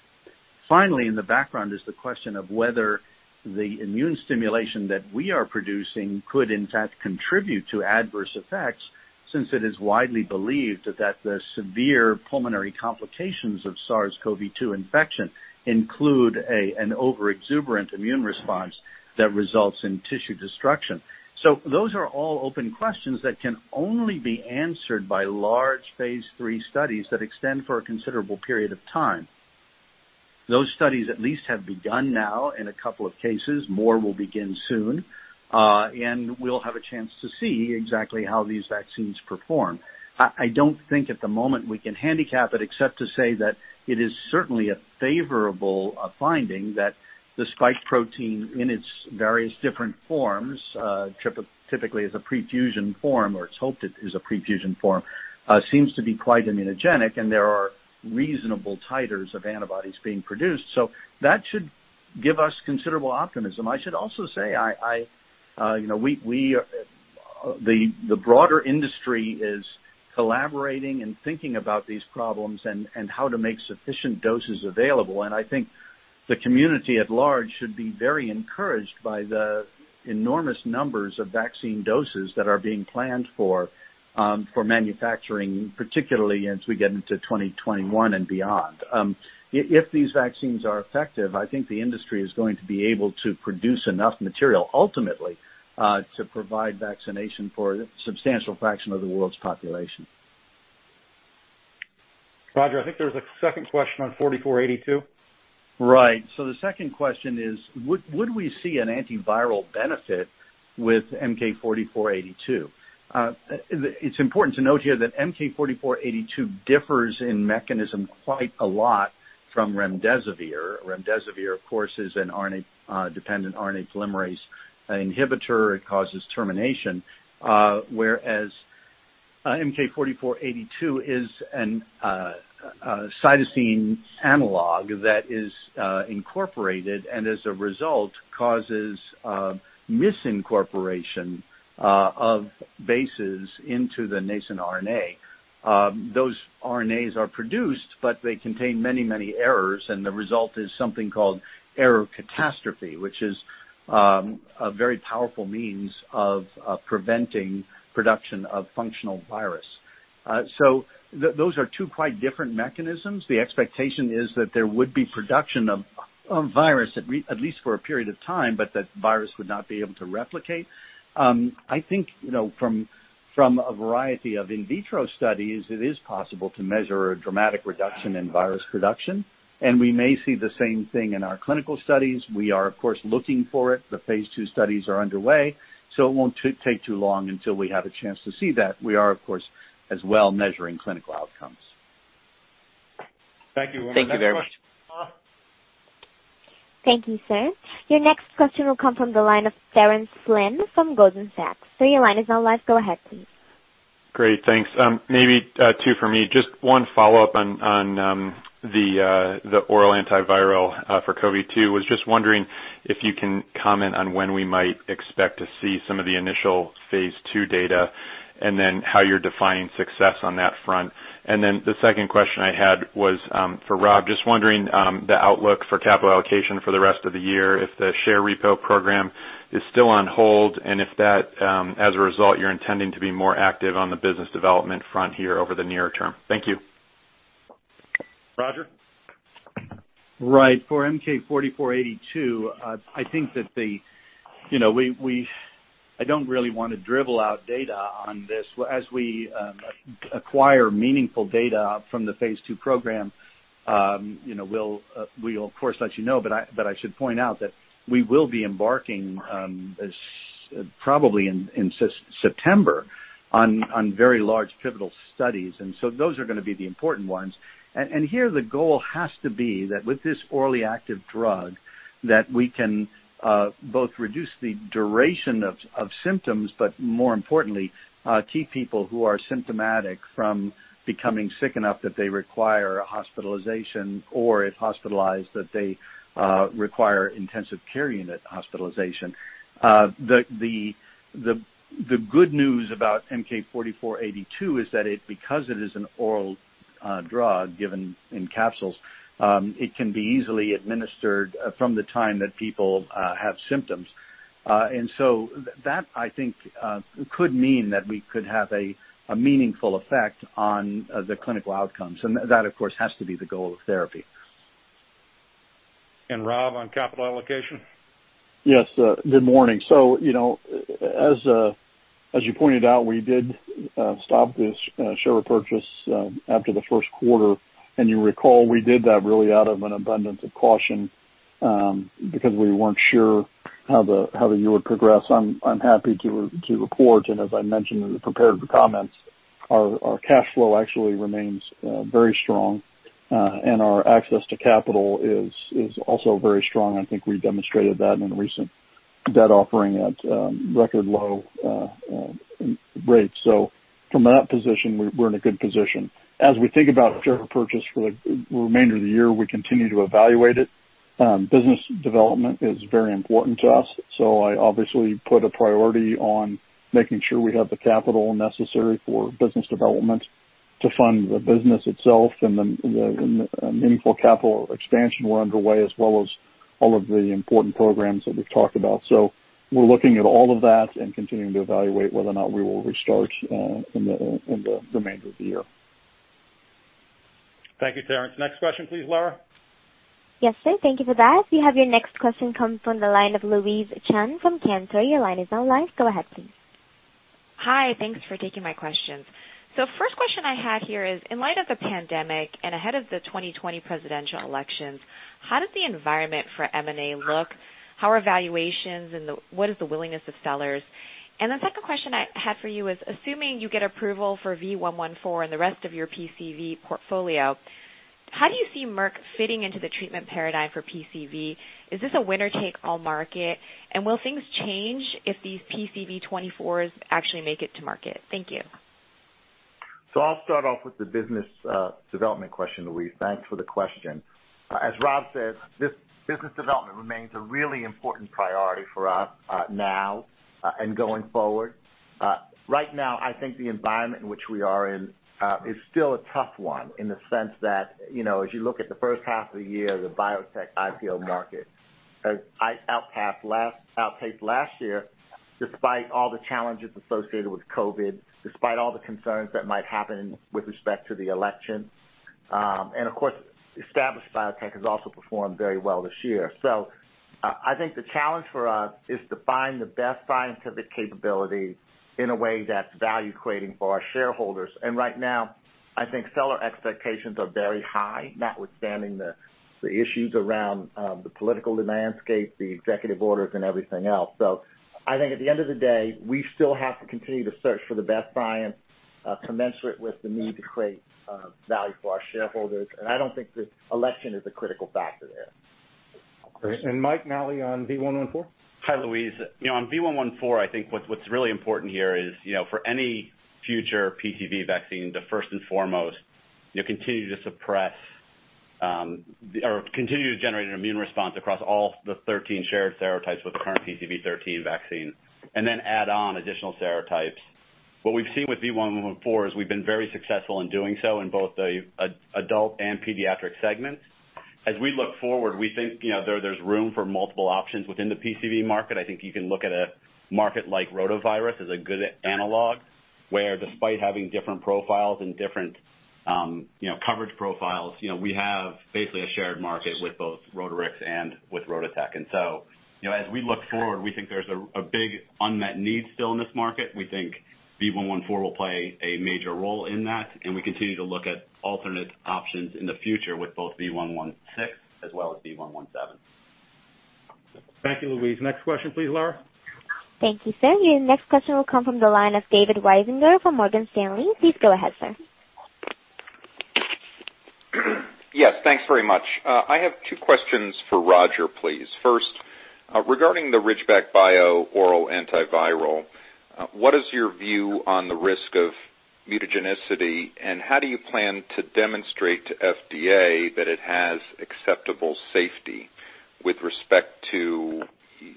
Finally, in the background is the question of whether the immune stimulation that we are producing could in fact contribute to adverse effects, since it is widely believed that the severe pulmonary complications of SARS-CoV-2 infection include an overexuberant immune response that results in tissue destruction. Those are all open questions that can only be answered by large phase III studies that extend for a considerable period of time. Those studies at least have begun now in a couple of cases. More will begin soon. We'll have a chance to see exactly how these vaccines perform. I don't think at the moment we can handicap it except to say that it is certainly a favorable finding that the spike protein in its various different forms, typically as a pre-fusion form, or it's hoped it is a pre-fusion form, seems to be quite immunogenic, and there are reasonable titers of antibodies being produced. That should give us considerable optimism. I should also say, the broader industry is collaborating and thinking about these problems and how to make sufficient doses available, and I think the community at large should be very encouraged by the enormous numbers of vaccine doses that are being planned for manufacturing, particularly as we get into 2021 and beyond. If these vaccines are effective, I think the industry is going to be able to produce enough material ultimately, to provide vaccination for a substantial fraction of the world's population. Roger, I think there was a second question on MK-4482. Right. The second question is: Would we see an antiviral benefit with MK-4482? It's important to note here that MK-4482 differs in mechanism quite a lot from remdesivir. Remdesivir, of course, is an RNA-dependent RNA polymerase inhibitor. It causes termination, whereas MK-4482 is a cytosine analog that is incorporated and as a result, causes misincorporation of bases into the nascent RNA. Those RNAs are produced, but they contain many errors, and the result is something called error catastrophe, which is a very powerful means of preventing production of functional virus. Those are two quite different mechanisms. The expectation is that there would be production of virus at least for a period of time, but that virus would not be able to replicate. I think from a variety of in vitro studies, it is possible to measure a dramatic reduction in virus production. We may see the same thing in our clinical studies. We are, of course, looking for it. The phase II studies are underway. It won't take too long until we have a chance to see that. We are, of course, as well, measuring clinical outcomes. Thank you. One more- Thank you very much. question. Thank you, sir. Your next question will come from the line of Terence Flynn from Goldman Sachs. Sir, your line is now live. Go ahead please. Great, thanks. Maybe two for me. Just one follow-up on the oral antiviral for COVID-19. Was just wondering if you can comment on when we might expect to see some of the initial phase II data, how you're defining success on that front. The second question I had was for Rob. Just wondering the outlook for capital allocation for the rest of the year, if the share repo program is still on hold, and if that as a result, you're intending to be more active on the business development front here over the near term. Thank you. Roger? Right. For MK-4482, I don't really want to drivel out data on this. As we acquire meaningful data from the phase II program, we'll of course let you know. I should point out that we will be embarking, probably in September, on very large pivotal studies. Those are going to be the important ones. Here the goal has to be that with this orally active drug, that we can both reduce the duration of symptoms. More importantly, keep people who are symptomatic from becoming sick enough that they require hospitalization, or if hospitalized, that they require intensive care unit hospitalization. The good news about MK-4482 is that because it is an oral drug given in capsules, it can be easily administered from the time that people have symptoms. That I think could mean that we could have a meaningful effect on the clinical outcomes. That, of course, has to be the goal of therapy. Rob, on capital allocation? Yes. Good morning. As you pointed out, we did stop the share purchase after the first quarter, and you recall we did that really out of an abundance of caution, because we weren't sure how the year would progress. I'm happy to report, and as I mentioned in the prepared comments, our cash flow actually remains very strong. Our access to capital is also very strong. I think we demonstrated that in recent debt offering at record low rates. From that position, we're in a good position. As we think about share purchase for the remainder of the year, we continue to evaluate it. Business development is very important to us. I obviously put a priority on making sure we have the capital necessary for business development to fund the business itself and the meaningful capital expansion we're underway, as well as all of the important programs that we've talked about. We're looking at all of that and continuing to evaluate whether or not we will restart in the remainder of the year. Thank you, Terence. Next question, please, Lara. Yes, sir. Thank you for that. We have your next question come from the line of Louise Chen from Cantor. Your line is now live. Go ahead, please. Hi. Thanks for taking my questions. First question I had here is, in light of the pandemic and ahead of the 2020 presidential elections, how does the environment for M&A look? How are evaluations and what is the willingness of sellers? The second question I had for you is, assuming you get approval for V114 and the rest of your PCV portfolio, how do you see Merck fitting into the treatment paradigm for PCV? Is this a winner-take-all market, and will things change if these PCV24s actually make it to market? Thank you. I'll start off with the business development question, Louise. Thanks for the question. As Rob said, this business development remains a really important priority for us now and going forward. Right now, I think the environment in which we are in is still a tough one in the sense that, as you look at the first half of the year, the biotech IPO market outpaced last year, despite all the challenges associated with COVID, despite all the concerns that might happen with respect to the election. Of course, established biotech has also performed very well this year. I think the challenge for us is to find the best scientific capabilities in a way that's value-creating for our shareholders. Right now, I think seller expectations are very high, notwithstanding the issues around the political landscape, the executive orders and everything else. I think at the end of the day, we still have to continue to search for the best science commensurate with the need to create value for our shareholders. I don't think the election is a critical factor there. Great. Mike, now on V114. Hi, Louise. On V114, I think what's really important here is for any future PCV vaccine to first and foremost continue to generate an immune response across all the 13 shared serotypes with the current PCV13 vaccine, then add on additional serotypes. What we've seen with V114 is we've been very successful in doing so in both the adult and pediatric segments. As we look forward, we think there's room for multiple options within the PCV market. I think you can look at a market like rotavirus as a good analog, where despite having different profiles and different coverage profiles, we have basically a shared market with both Rotarix and with RotaTeq. As we look forward, we think there's a big unmet need still in this market. We think V114 will play a major role in that, and we continue to look at alternate options in the future with both V116 as well as V117. Thank you, Louise. Next question please, Lara. Thank you, sir. Your next question will come from the line of David Risinger from Morgan Stanley. Please go ahead, sir. Yes, thanks very much. I have two questions for Roger, please. First, regarding the Ridgeback Biotherapeutics oral antiviral, what is your view on the risk of mutagenicity, and how do you plan to demonstrate to FDA that it has acceptable safety with respect to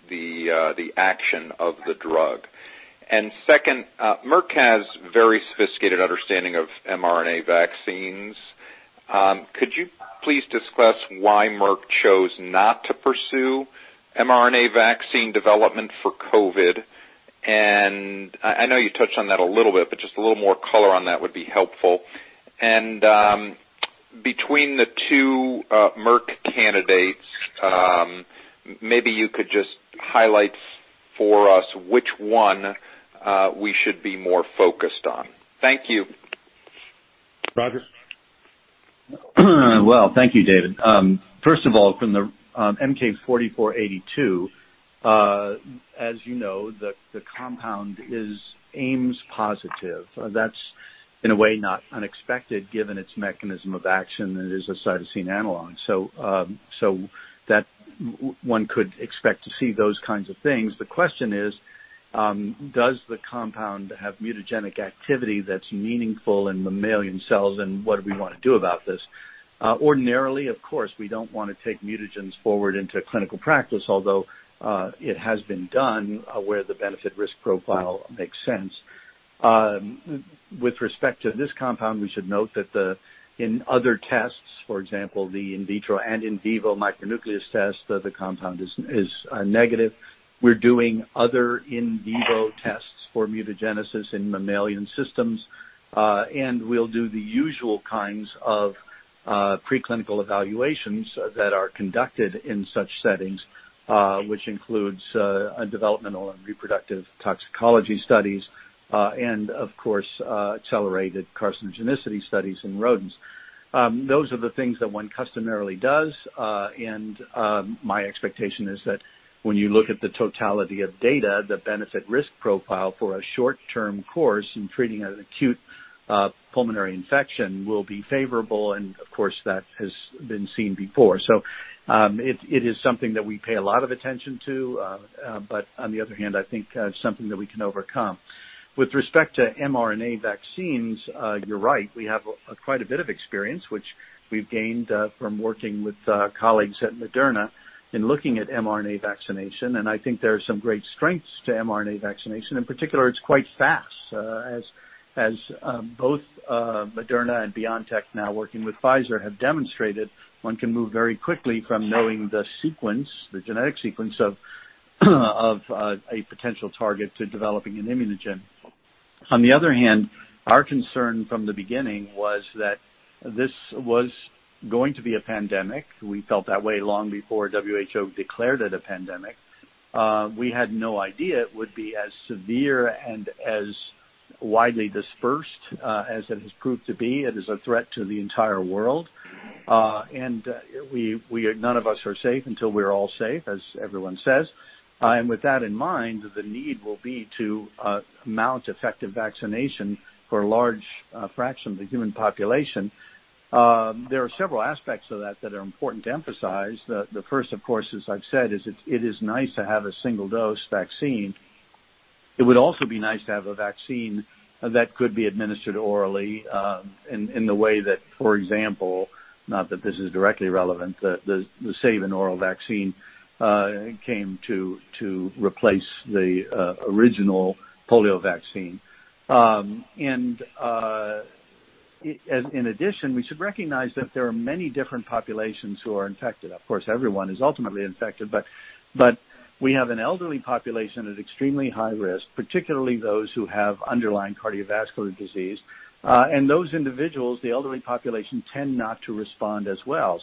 the action of the drug? Second, Merck has very sophisticated understanding of mRNA vaccines. Could you please discuss why Merck chose not to pursue mRNA vaccine development for COVID-19? I know you touched on that a little bit, but just a little more color on that would be helpful. Between the two Merck candidates, maybe you could just highlight for us which one we should be more focused on. Thank you. Roger? Thank you, David. First of all, from the MK-4482, as you know, the compound is Ames positive. That's in a way not unexpected given its mechanism of action. It is a cytosine analog. That one could expect to see those kinds of things. The question is, does the compound have mutagenic activity that's meaningful in mammalian cells? What do we want to do about this? Ordinarily, of course, we don't want to take mutagens forward into clinical practice, although it has been done where the benefit risk profile makes sense. With respect to this compound, we should note that in other tests, for example, the in vitro and in vivo micronucleus test, the compound is negative. We're doing other in vivo tests for mutagenesis in mammalian systems. We'll do the usual kinds of preclinical evaluations that are conducted in such settings, which includes a developmental and reproductive toxicology studies and, of course, accelerated carcinogenicity studies in rodents. Those are the things that one customarily does. My expectation is that when you look at the totality of data, the benefit risk profile for a short-term course in treating an acute pulmonary infection will be favorable, of course, that has been seen before. It is something that we pay a lot of attention to, but on the other hand, I think something that we can overcome. With respect to mRNA vaccines, you're right. We have quite a bit of experience, which we've gained from working with colleagues at Moderna in looking at mRNA vaccination, I think there are some great strengths to mRNA vaccination. In particular, it's quite fast, as both Moderna and BioNTech, now working with Pfizer, have demonstrated one can move very quickly from knowing the genetic sequence of a potential target to developing an immunogen. On the other hand, our concern from the beginning was that this was going to be a pandemic. We felt that way long before WHO declared it a pandemic. We had no idea it would be as severe and as widely dispersed as it has proved to be. It is a threat to the entire world. None of us are safe until we are all safe, as everyone says. With that in mind, the need will be to mount effective vaccination for a large fraction of the human population. There are several aspects of that that are important to emphasize. The first, of course, as I've said, is it is nice to have a single-dose vaccine. It would also be nice to have a vaccine that could be administered orally, in the way that, for example, not that this is directly relevant, the Sabin oral vaccine came to replace the original polio vaccine. In addition, we should recognize that there are many different populations who are infected. Of course, everyone is ultimately infected, but we have an elderly population at extremely high risk, particularly those who have underlying cardiovascular disease. Those individuals, the elderly population, tend not to respond as well.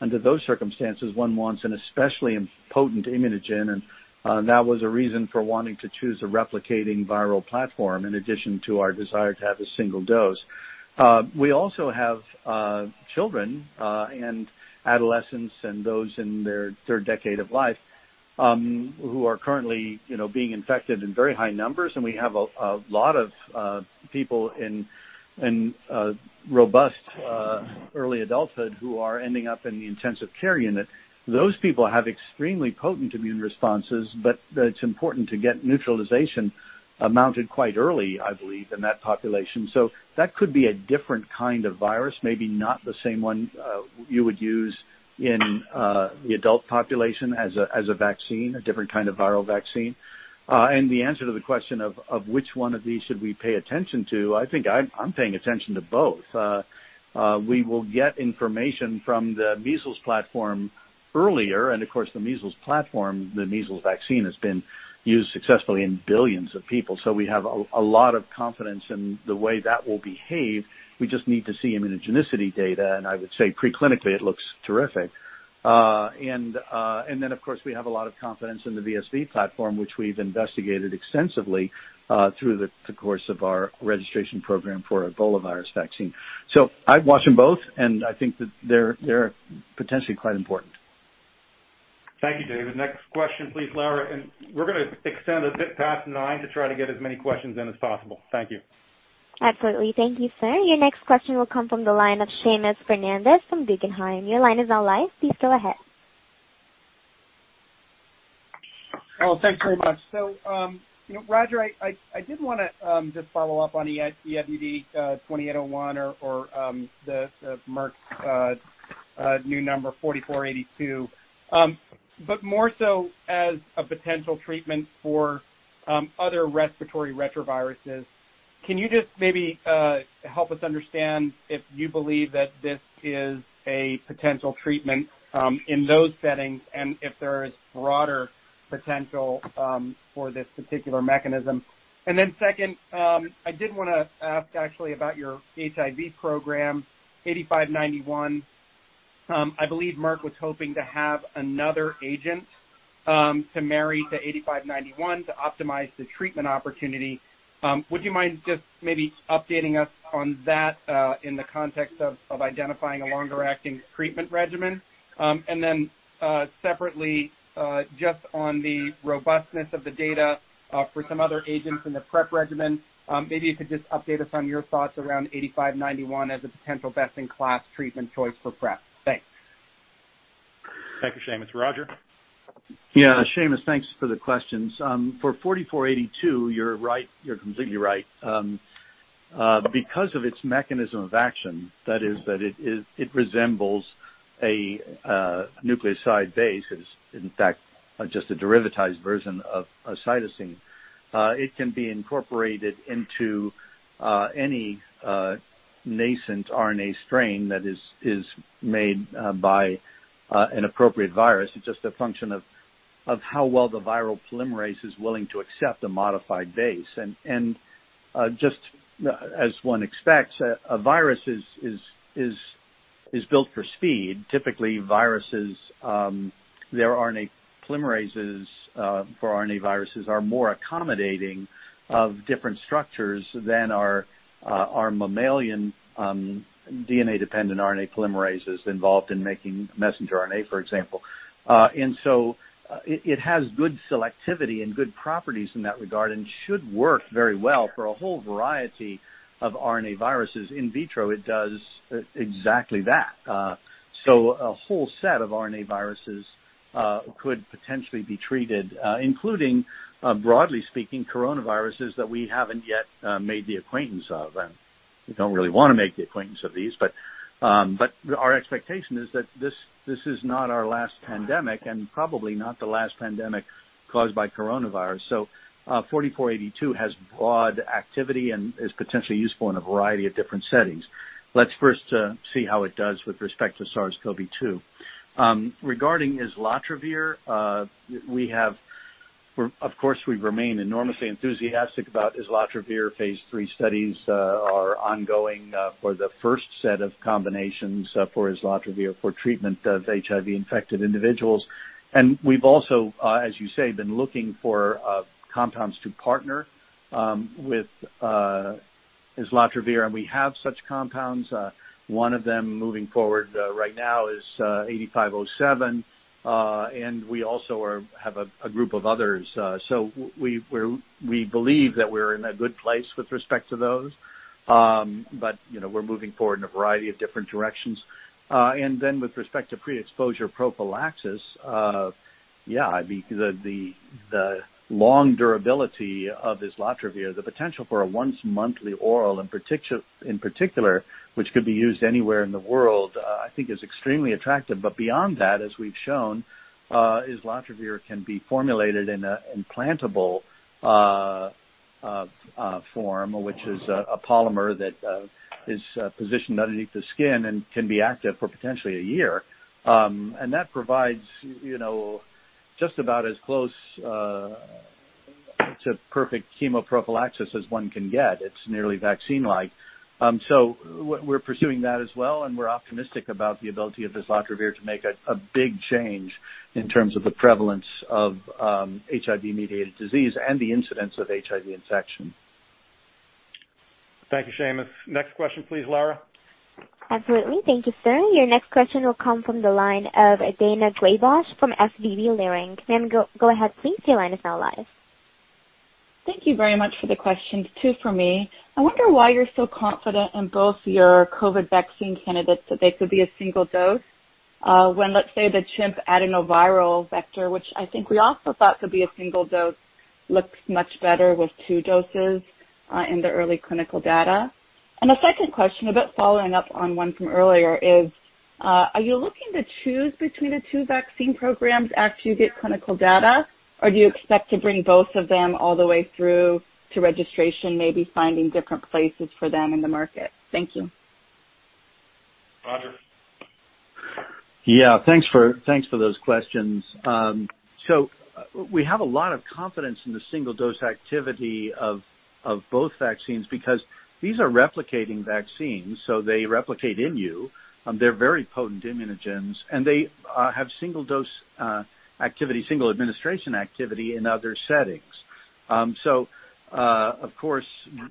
Under those circumstances, one wants an especially potent immunogen, and that was a reason for wanting to choose a replicating viral platform, in addition to our desire to have a single dose. We also have children, and adolescents, and those in their third decade of life, who are currently being infected in very high numbers, and we have a lot of people in robust early adulthood who are ending up in the intensive care unit. Those people have extremely potent immune responses, but it's important to get neutralization mounted quite early, I believe, in that population. That could be a different kind of virus, maybe not the same one you would use in the adult population as a vaccine, a different kind of viral vaccine. The answer to the question of which one of these should we pay attention to, I think I'm paying attention to both. We will get information from the measles platform earlier, and of course, the measles platform, the measles vaccine, has been used successfully in billions of people. We have a lot of confidence in the way that will behave. We just need to see immunogenicity data, and I would say pre-clinically, it looks terrific. Then, of course, we have a lot of confidence in the VSV platform, which we've investigated extensively through the course of our registration program for Ebola virus vaccine. I'd watch them both, and I think that they're potentially quite important. Thank you, David. Next question, please, Lara. We're going to extend a bit past 9:00 A.M. to try to get as many questions in as possible. Thank you. Absolutely. Thank you, sir. Your next question will come from the line of Seamus Fernandez from Guggenheim. Your line is now live. Please go ahead. Thanks very much. Roger, I did want to just follow up on the EIDD-2801 or Merck's new number MK-4482, but more so as a potential treatment for other respiratory retroviruses. Can you just maybe help us understand if you believe that this is a potential treatment in those settings and if there is broader potential for this particular mechanism? Second, I did want to ask actually about your HIV program, MK-8591. I believe Merck was hoping to have another agent to marry to MK-8591 to optimize the treatment opportunity. Would you mind just maybe updating us on that in the context of identifying a longer-acting treatment regimen? Separately, just on the robustness of the data for some other agents in the PrEP regimen, maybe you could just update us on your thoughts around MK-8591 as a potential best-in-class treatment choice for PrEP. Thanks. Thank you, Seamus. Roger? Yeah, Seamus, thanks for the questions. For MK-4482, you're completely right. Because of its mechanism of action, that is that it resembles a nucleoside base, it is in fact just a derivatized version of cytosine. It can be incorporated into any nascent RNA strain that is made by an appropriate virus. It's just a function of how well the viral polymerase is willing to accept a modified base. Just as one expects, a virus is built for speed. Typically, viruses, their RNA polymerases for RNA viruses are more accommodating of different structures than our mammalian DNA-dependent RNA polymerase is involved in making messenger RNA, for example. It has good selectivity and good properties in that regard and should work very well for a whole variety of RNA viruses. In vitro, it does exactly that. A whole set of RNA viruses could potentially be treated including, broadly speaking, coronaviruses that we haven't yet made the acquaintance of. We don't really want to make the acquaintance of these, but our expectation is that this is not our last pandemic, and probably not the last pandemic caused by coronavirus. MK-4482 has broad activity and is potentially useful in a variety of different settings. Let's first see how it does with respect to SARS-CoV-2. Regarding islatravir, of course we remain enormously enthusiastic about islatravir. Phase III studies are ongoing for the first set of combinations for islatravir for treatment of HIV-infected individuals. We've also, as you say, been looking for compounds to partner with islatravir, and we have such compounds. One of them moving forward right now is MK-8507. We also have a group of others. We believe that we're in a good place with respect to those. We're moving forward in a variety of different directions. With respect to pre-exposure prophylaxis, yeah, the long durability of islatravir, the potential for a once-monthly oral in particular, which could be used anywhere in the world, I think is extremely attractive. Beyond that, as we've shown, islatravir can be formulated in an implantable form, which is a polymer that is positioned underneath the skin and can be active for potentially a year. That provides just about as close to perfect chemoprophylaxis as one can get. It's nearly vaccine-like. We're pursuing that as well, and we're optimistic about the ability of islatravir to make a big change in terms of the prevalence of HIV-mediated disease and the incidence of HIV infection. Thank you, Seamus. Next question please, Lara. Absolutely. Thank you, sir. Your next question will come from the line of Daina Graybosch from SVB Leerink. Ma'am, go ahead please. Your line is now live. Thank you very much for the questions. Two from me. I wonder why you're so confident in both your COVID vaccine candidates that they could be a single dose, when, let's say, the chimp adenoviral vector, which I think we also thought could be a single dose, looks much better with two doses in the early clinical data. A second question, a bit following up on one from earlier, is are you looking to choose between the two vaccine programs after you get clinical data, or do you expect to bring both of them all the way through to registration, maybe finding different places for them in the market? Thank you. Roger. Yeah. Thanks for those questions. We have a lot of confidence in the single-dose activity of both vaccines because these are replicating vaccines, so they replicate in you. They're very potent immunogens, and they have single-dose activity, single administration activity in other settings. Of course,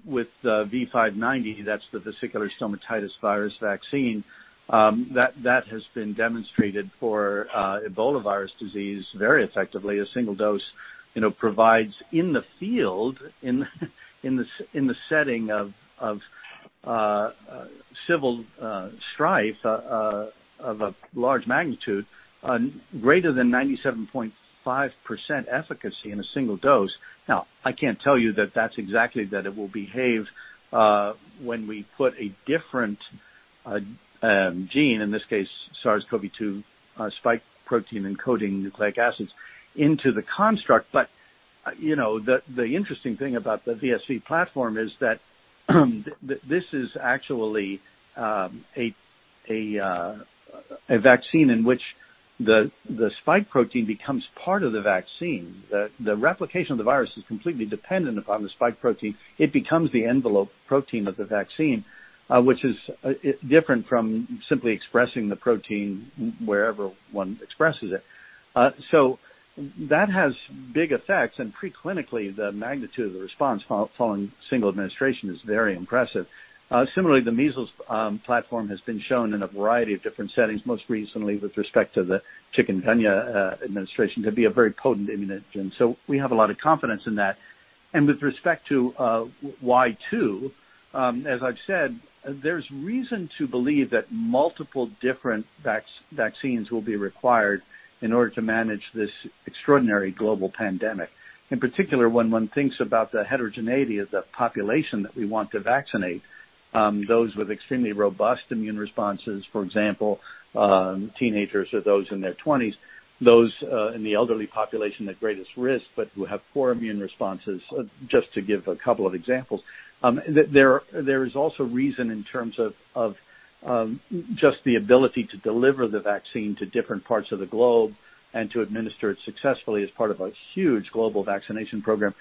with V590, that's the vesicular stomatitis virus vaccine, that has been demonstrated for Ebola virus disease very effectively. A single dose provides in the field, in the setting of civil strife of a large magnitude, greater than 97.5% efficacy in a single dose. Now, I can't tell you that that's exactly that it will behave when we put a different gene, in this case, SARS-CoV-2 spike protein encoding nucleic acids, into the construct. The interesting thing about the VSV platform is that this is actually a vaccine in which the spike protein becomes part of the vaccine. The replication of the virus is completely dependent upon the spike protein. It becomes the envelope protein of the vaccine, which is different from simply expressing the protein wherever one expresses it. That has big effects, and pre-clinically, the magnitude of the response following single administration is very impressive. Similarly, the measles platform has been shown in a variety of different settings, most recently with respect to the chikungunya administration, to be a very potent immunogen. We have a lot of confidence in that. With respect to why two, as I've said, there's reason to believe that multiple different vaccines will be required in order to manage this extraordinary global pandemic. In particular, when one thinks about the heterogeneity of the population that we want to vaccinate, those with extremely robust immune responses, for example, teenagers or those in their 20s. Those in the elderly population at greatest risk, but who have poor immune responses, just to give a couple of examples. There is also reason in terms of just the ability to deliver the vaccine to different parts of the globe and to administer it successfully as part of a huge global vaccination program.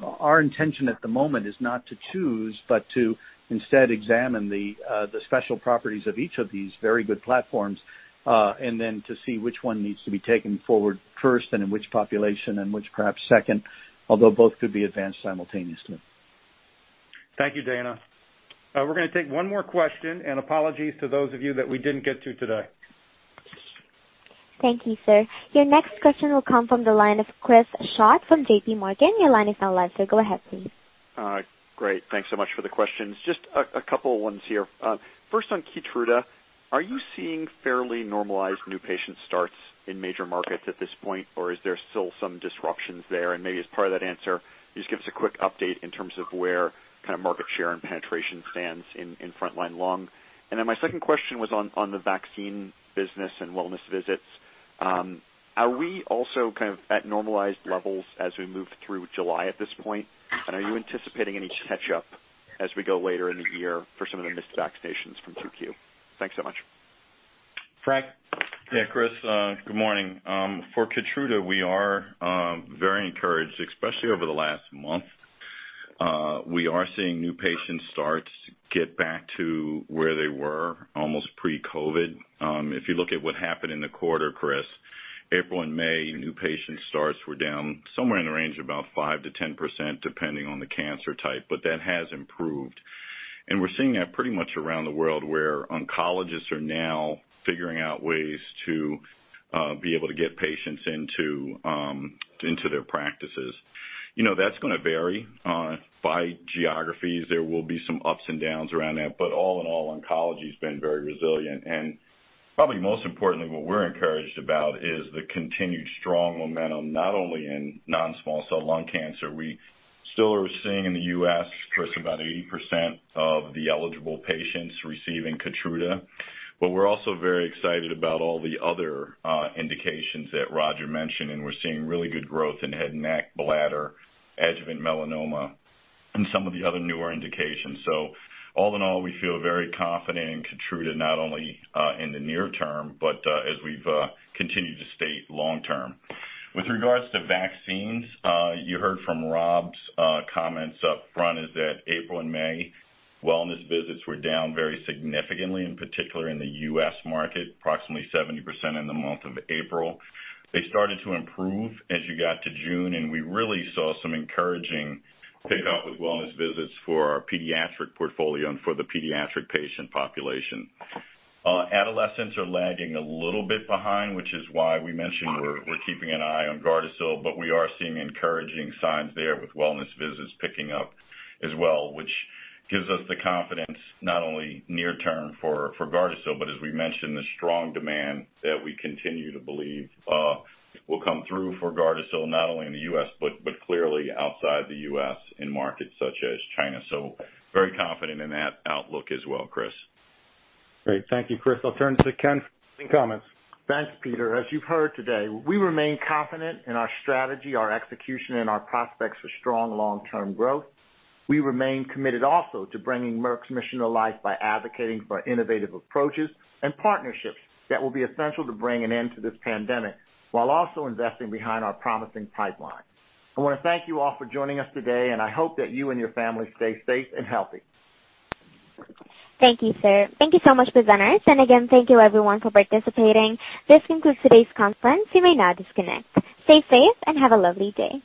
Our intention at the moment is not to choose, but to instead examine the special properties of each of these very good platforms, and then to see which one needs to be taken forward first and in which population and which perhaps second, although both could be advanced simultaneously. Thank you, Daina. We're going to take one more question, and apologies to those of you that we didn't get to today. Thank you, sir. Your next question will come from the line of Chris Schott from JPMorgan. Your line is now live, sir. Go ahead please. All right. Great. Thanks so much for the questions. Just a couple ones here. First on KEYTRUDA. are you seeing fairly normalized new patient starts in major markets at this point, or is there still some disruptions there? Maybe as part of that answer, can you just give us a quick update in terms of where market share and penetration stands in front-line lung. My second question was on the vaccine business and wellness visits. Are we also at normalized levels as we move through July at this point? Are you anticipating any catch-up as we go later in the year for some of the missed vaccinations from 2Q? Thanks so much. Frank? Yeah, Chris, good morning. For KEYTRUDA, we are very encouraged, especially over the last month. We are seeing new patient starts get back to where they were almost pre-COVID. If you look at what happened in the quarter, Chris, April and May, new patient starts were down somewhere in the range of about 5%-10%, depending on the cancer type, that has improved. We're seeing that pretty much around the world, where oncologists are now figuring out ways to be able to get patients into their practices. That's going to vary by geographies. There will be some ups and downs around that, all in all, oncology's been very resilient. Probably most importantly, what we're encouraged about is the continued strong momentum, not only in non-small cell lung cancer. We still are seeing in the U.S., Chris, about 80% of the eligible patients receiving KEYTRUDA. We're also very excited about all the other indications that Roger mentioned, and we're seeing really good growth in head and neck, bladder, adjuvant melanoma, and some of the other newer indications. All in all, we feel very confident in KEYTRUDA, not only in the near term, but as we've continued to state, long term. With regards to vaccines, you heard from Rob's comments up front is that April and May, wellness visits were down very significantly, in particular in the U.S. market, approximately 70% in the month of April. They started to improve as you got to June, and we really saw some encouraging pick up with wellness visits for our pediatric portfolio and for the pediatric patient population. Adolescents are lagging a little bit behind, which is why we mentioned we're keeping an eye on GARDASIL, but we are seeing encouraging signs there with wellness visits picking up as well, which gives us the confidence, not only near term for GARDASIL, but as we mentioned, the strong demand that we continue to believe will come through for GARDASIL, not only in the U.S., but clearly outside the U.S. in markets such as China. Very confident in that outlook as well, Chris. Great. Thank you, Chris. I'll turn to Ken for closing comments. Thanks, Peter. As you've heard today, we remain confident in our strategy, our execution, and our prospects for strong long-term growth. We remain committed also to bringing Merck's mission to life by advocating for innovative approaches and partnerships that will be essential to bring an end to this pandemic, while also investing behind our promising pipeline. I want to thank you all for joining us today. I hope that you and your family stay safe and healthy. Thank you, sir. Thank you so much, presenters. Again, thank you everyone for participating. This concludes today's conference. You may now disconnect. Stay safe and have a lovely day.